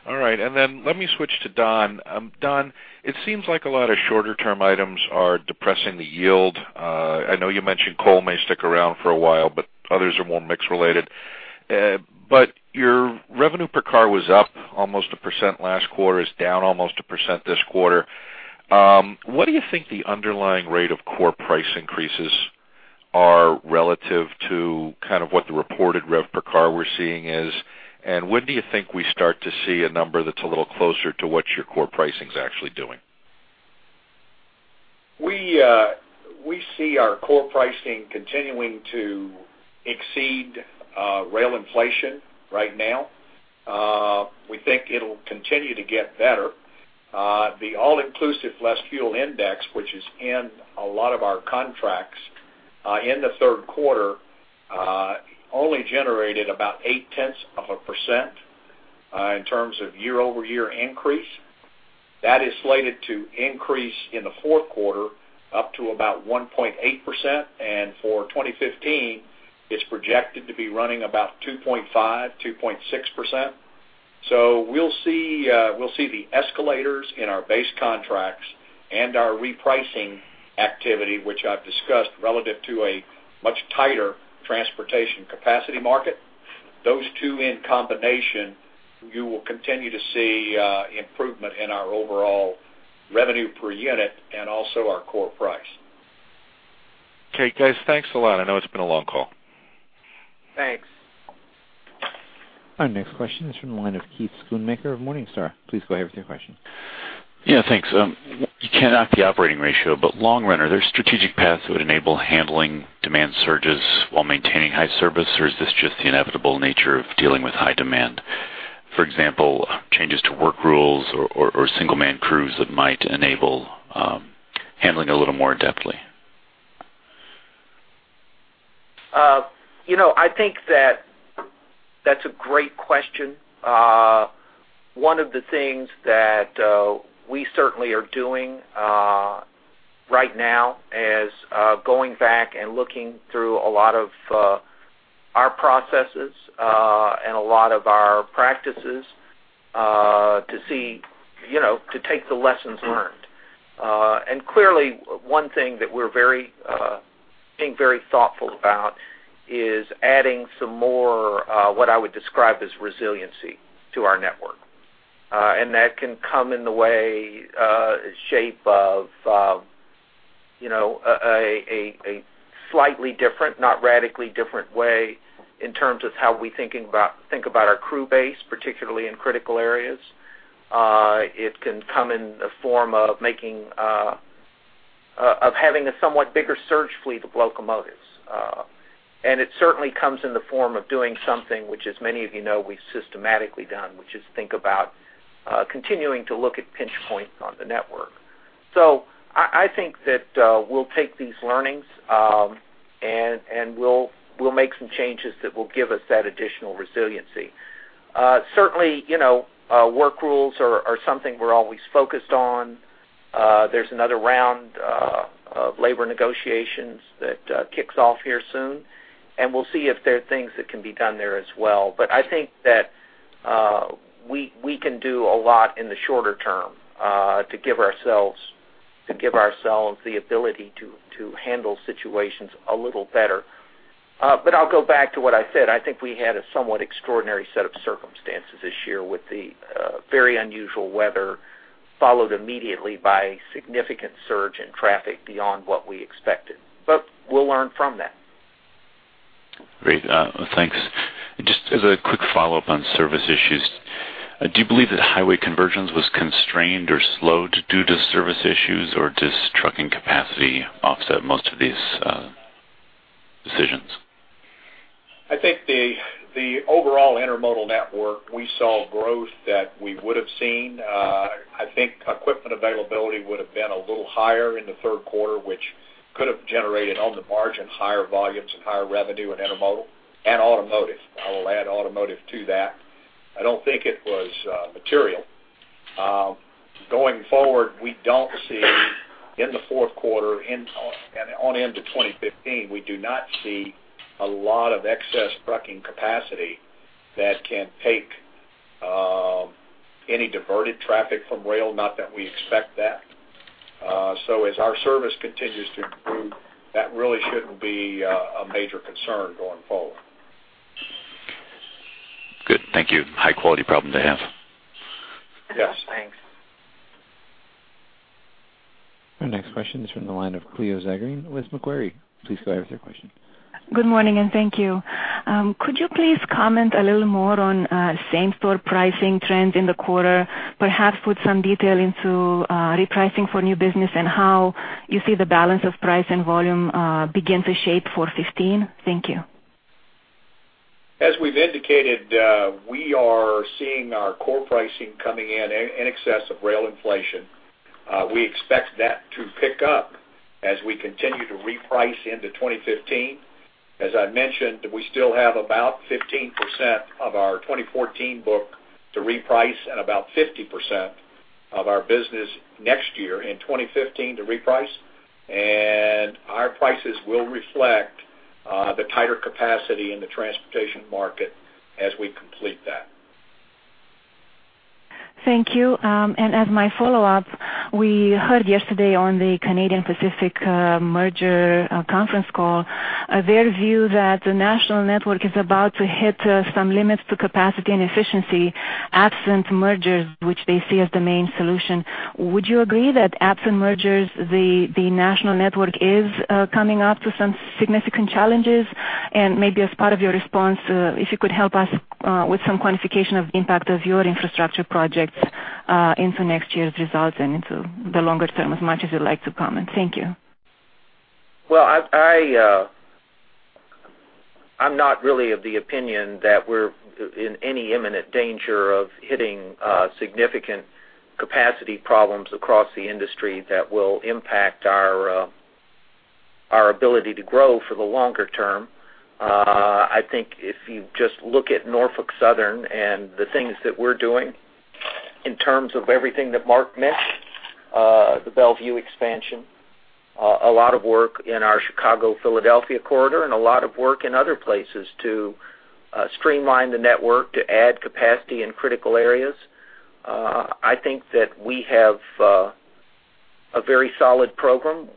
All right, and then let me switch to Don. Don, it seems like a lot of shorter-term items are depressing the yield. I know you mentioned coal may stick around for a while, but others are more mix related. But your revenue per car was up almost 1% last quarter, is down almost 1% this quarter. What do you think the underlying rate of core price increases are relative to kind of what the reported rev per car we're seeing is? And when do you think we start to see a number that's a little closer to what your core pricing is actually doing? We see our core pricing continuing to exceed rail inflation right now. We think it'll continue to get better. The all-inclusive less fuel index, which is in a lot of our contracts, in the third quarter, only generated about 0.8% in terms of year-over-year increase. That is slated to increase in the fourth quarter up to about 1.8%, and for 2015, it's projected to be running about 2.5%-2.6%. So we'll see, we'll see the escalators in our base contracts and our repricing activity, which I've discussed relative to a much tighter transportation capacity market. Those two, in combination, you will continue to see improvement in our overall revenue per unit and also our core price. Okay, guys, thanks a lot. I know it's been a long call. Thanks. Our next question is from the line of Keith Schoonmaker of Morningstar. Please go ahead with your question. Yeah, thanks. You know at the operating ratio, but in the long run, there are strategic paths that would enable handling demand surges while maintaining high service, or is this just the inevitable nature of dealing with high demand? For example, changes to work rules or single-man crews that might enable handling a little more adeptly. You know, I think that that's a great question. One of the things that we certainly are doing right now is going back and looking through a lot of our processes and a lot of our practices to see, you know, to take the lessons learned. And clearly, one thing that we're very being very thoughtful about is adding some more what I would describe as resiliency to our network. And that can come in the way shape of, you know, a slightly different, not radically different way in terms of how we thinking about—think about our crew base, particularly in critical areas. It can come in the form of making of having a somewhat bigger surge fleet of locomotives. And it certainly comes in the form of doing something which, as many of you know, we've systematically done, which is think about, continuing to look at pinch points on the network. So I, I think that, we'll take these learnings, and, and we'll, we'll make some changes that will give us that additional resiliency. Certainly, you know, work rules are, are something we're always focused on. There's another round, of labor negotiations that, kicks off here soon, and we'll see if there are things that can be done there as well. But I think that, we, we can do a lot in the shorter term, to give ourselves, to give ourselves the ability to, to handle situations a little better. But I'll go back to what I said. I think we had a somewhat extraordinary set of circumstances this year with the very unusual weather, followed immediately by significant surge in traffic beyond what we expected. But we'll learn from that. Great, thanks. Just as a quick follow-up on service issues, do you believe that highway conversions was constrained or slowed due to service issues, or does trucking capacity offset most of these decisions? I think the overall intermodal network, we saw growth that we would have seen. I think equipment availability would have been a little higher in the third quarter, which could have generated, on the margin, higher volumes and higher revenue in intermodal and automotive. I will add automotive to that. I don't think it was material. Going forward, we don't see in the fourth quarter, in and on into 2015, we do not see a lot of excess trucking capacity that can take any diverted traffic from rail, not that we expect that. So as our service continues to improve, that really shouldn't be a major concern going forward. Good. Thank you. High quality problem to have. Yes, thanks. Our next question is from the line of Cleo Zagrean with Macquarie. Please go ahead with your question. Good morning, and thank you. Could you please comment a little more on same-store pricing trends in the quarter, perhaps put some detail into repricing for new business and how you see the balance of price and volume begin to shape for 2015? Thank you. As we've indicated, we are seeing our core pricing coming in excess of rail inflation.... we expect that to pick up as we continue to reprice into 2015. As I mentioned, we still have about 15% of our 2014 book to reprice and about 50% of our business next year in 2015 to reprice. Our prices will reflect the tighter capacity in the transportation market as we complete that. Thank you. As my follow-up, we heard yesterday on the Canadian Pacific merger conference call their view that the national network is about to hit some limits to capacity and efficiency, absent mergers, which they see as the main solution. Would you agree that absent mergers, the national network is coming up to some significant challenges? Maybe as part of your response, if you could help us with some quantification of the impact of your infrastructure projects into next year's results and into the longer term, as much as you'd like to comment. Thank you. Well, I'm not really of the opinion that we're in any imminent danger of hitting significant capacity problems across the industry that will impact our ability to grow for the longer term. I think if you just look at Norfolk Southern and the things that we're doing in terms of everything that Mark mentioned, the Bellevue expansion, a lot of work in our Chicago-Philadelphia corridor, and a lot of work in other places to streamline the network, to add capacity in critical areas, I think that we have a very solid program,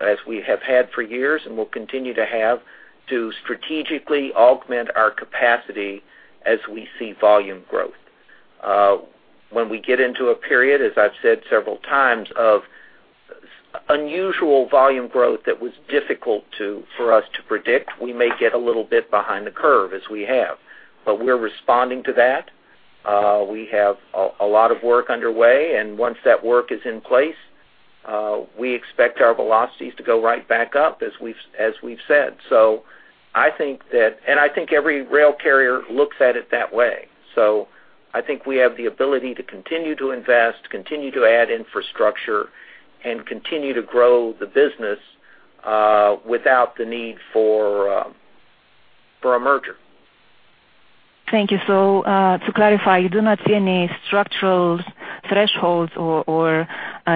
as we have had for years and will continue to have, to strategically augment our capacity as we see volume growth. When we get into a period, as I've said several times, of unusual volume growth that was difficult for us to predict, we may get a little bit behind the curve as we have. But we're responding to that. We have a lot of work underway, and once that work is in place, we expect our velocities to go right back up, as we've said. So I think that. And I think every rail carrier looks at it that way. So I think we have the ability to continue to invest, continue to add infrastructure, and continue to grow the business, without the need for a merger. Thank you. So, to clarify, you do not see any structural thresholds or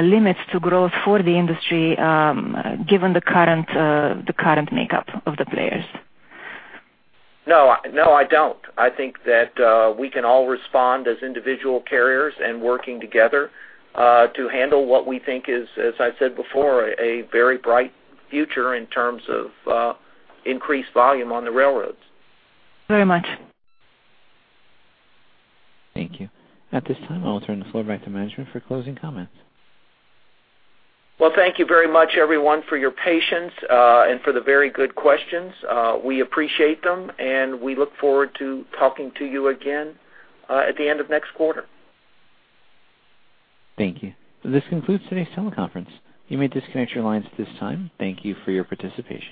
limits to growth for the industry, given the current makeup of the players? No. No, I don't. I think that we can all respond as individual carriers and working together to handle what we think is, as I said before, a very bright future in terms of increased volume on the railroads. Very much. Thank you. At this time, I'll turn the floor back to management for closing comments. Well, thank you very much, everyone, for your patience, and for the very good questions. We appreciate them, and we look forward to talking to you again, at the end of next quarter. Thank you. This concludes today's teleconference. You may disconnect your lines at this time. Thank you for your participation.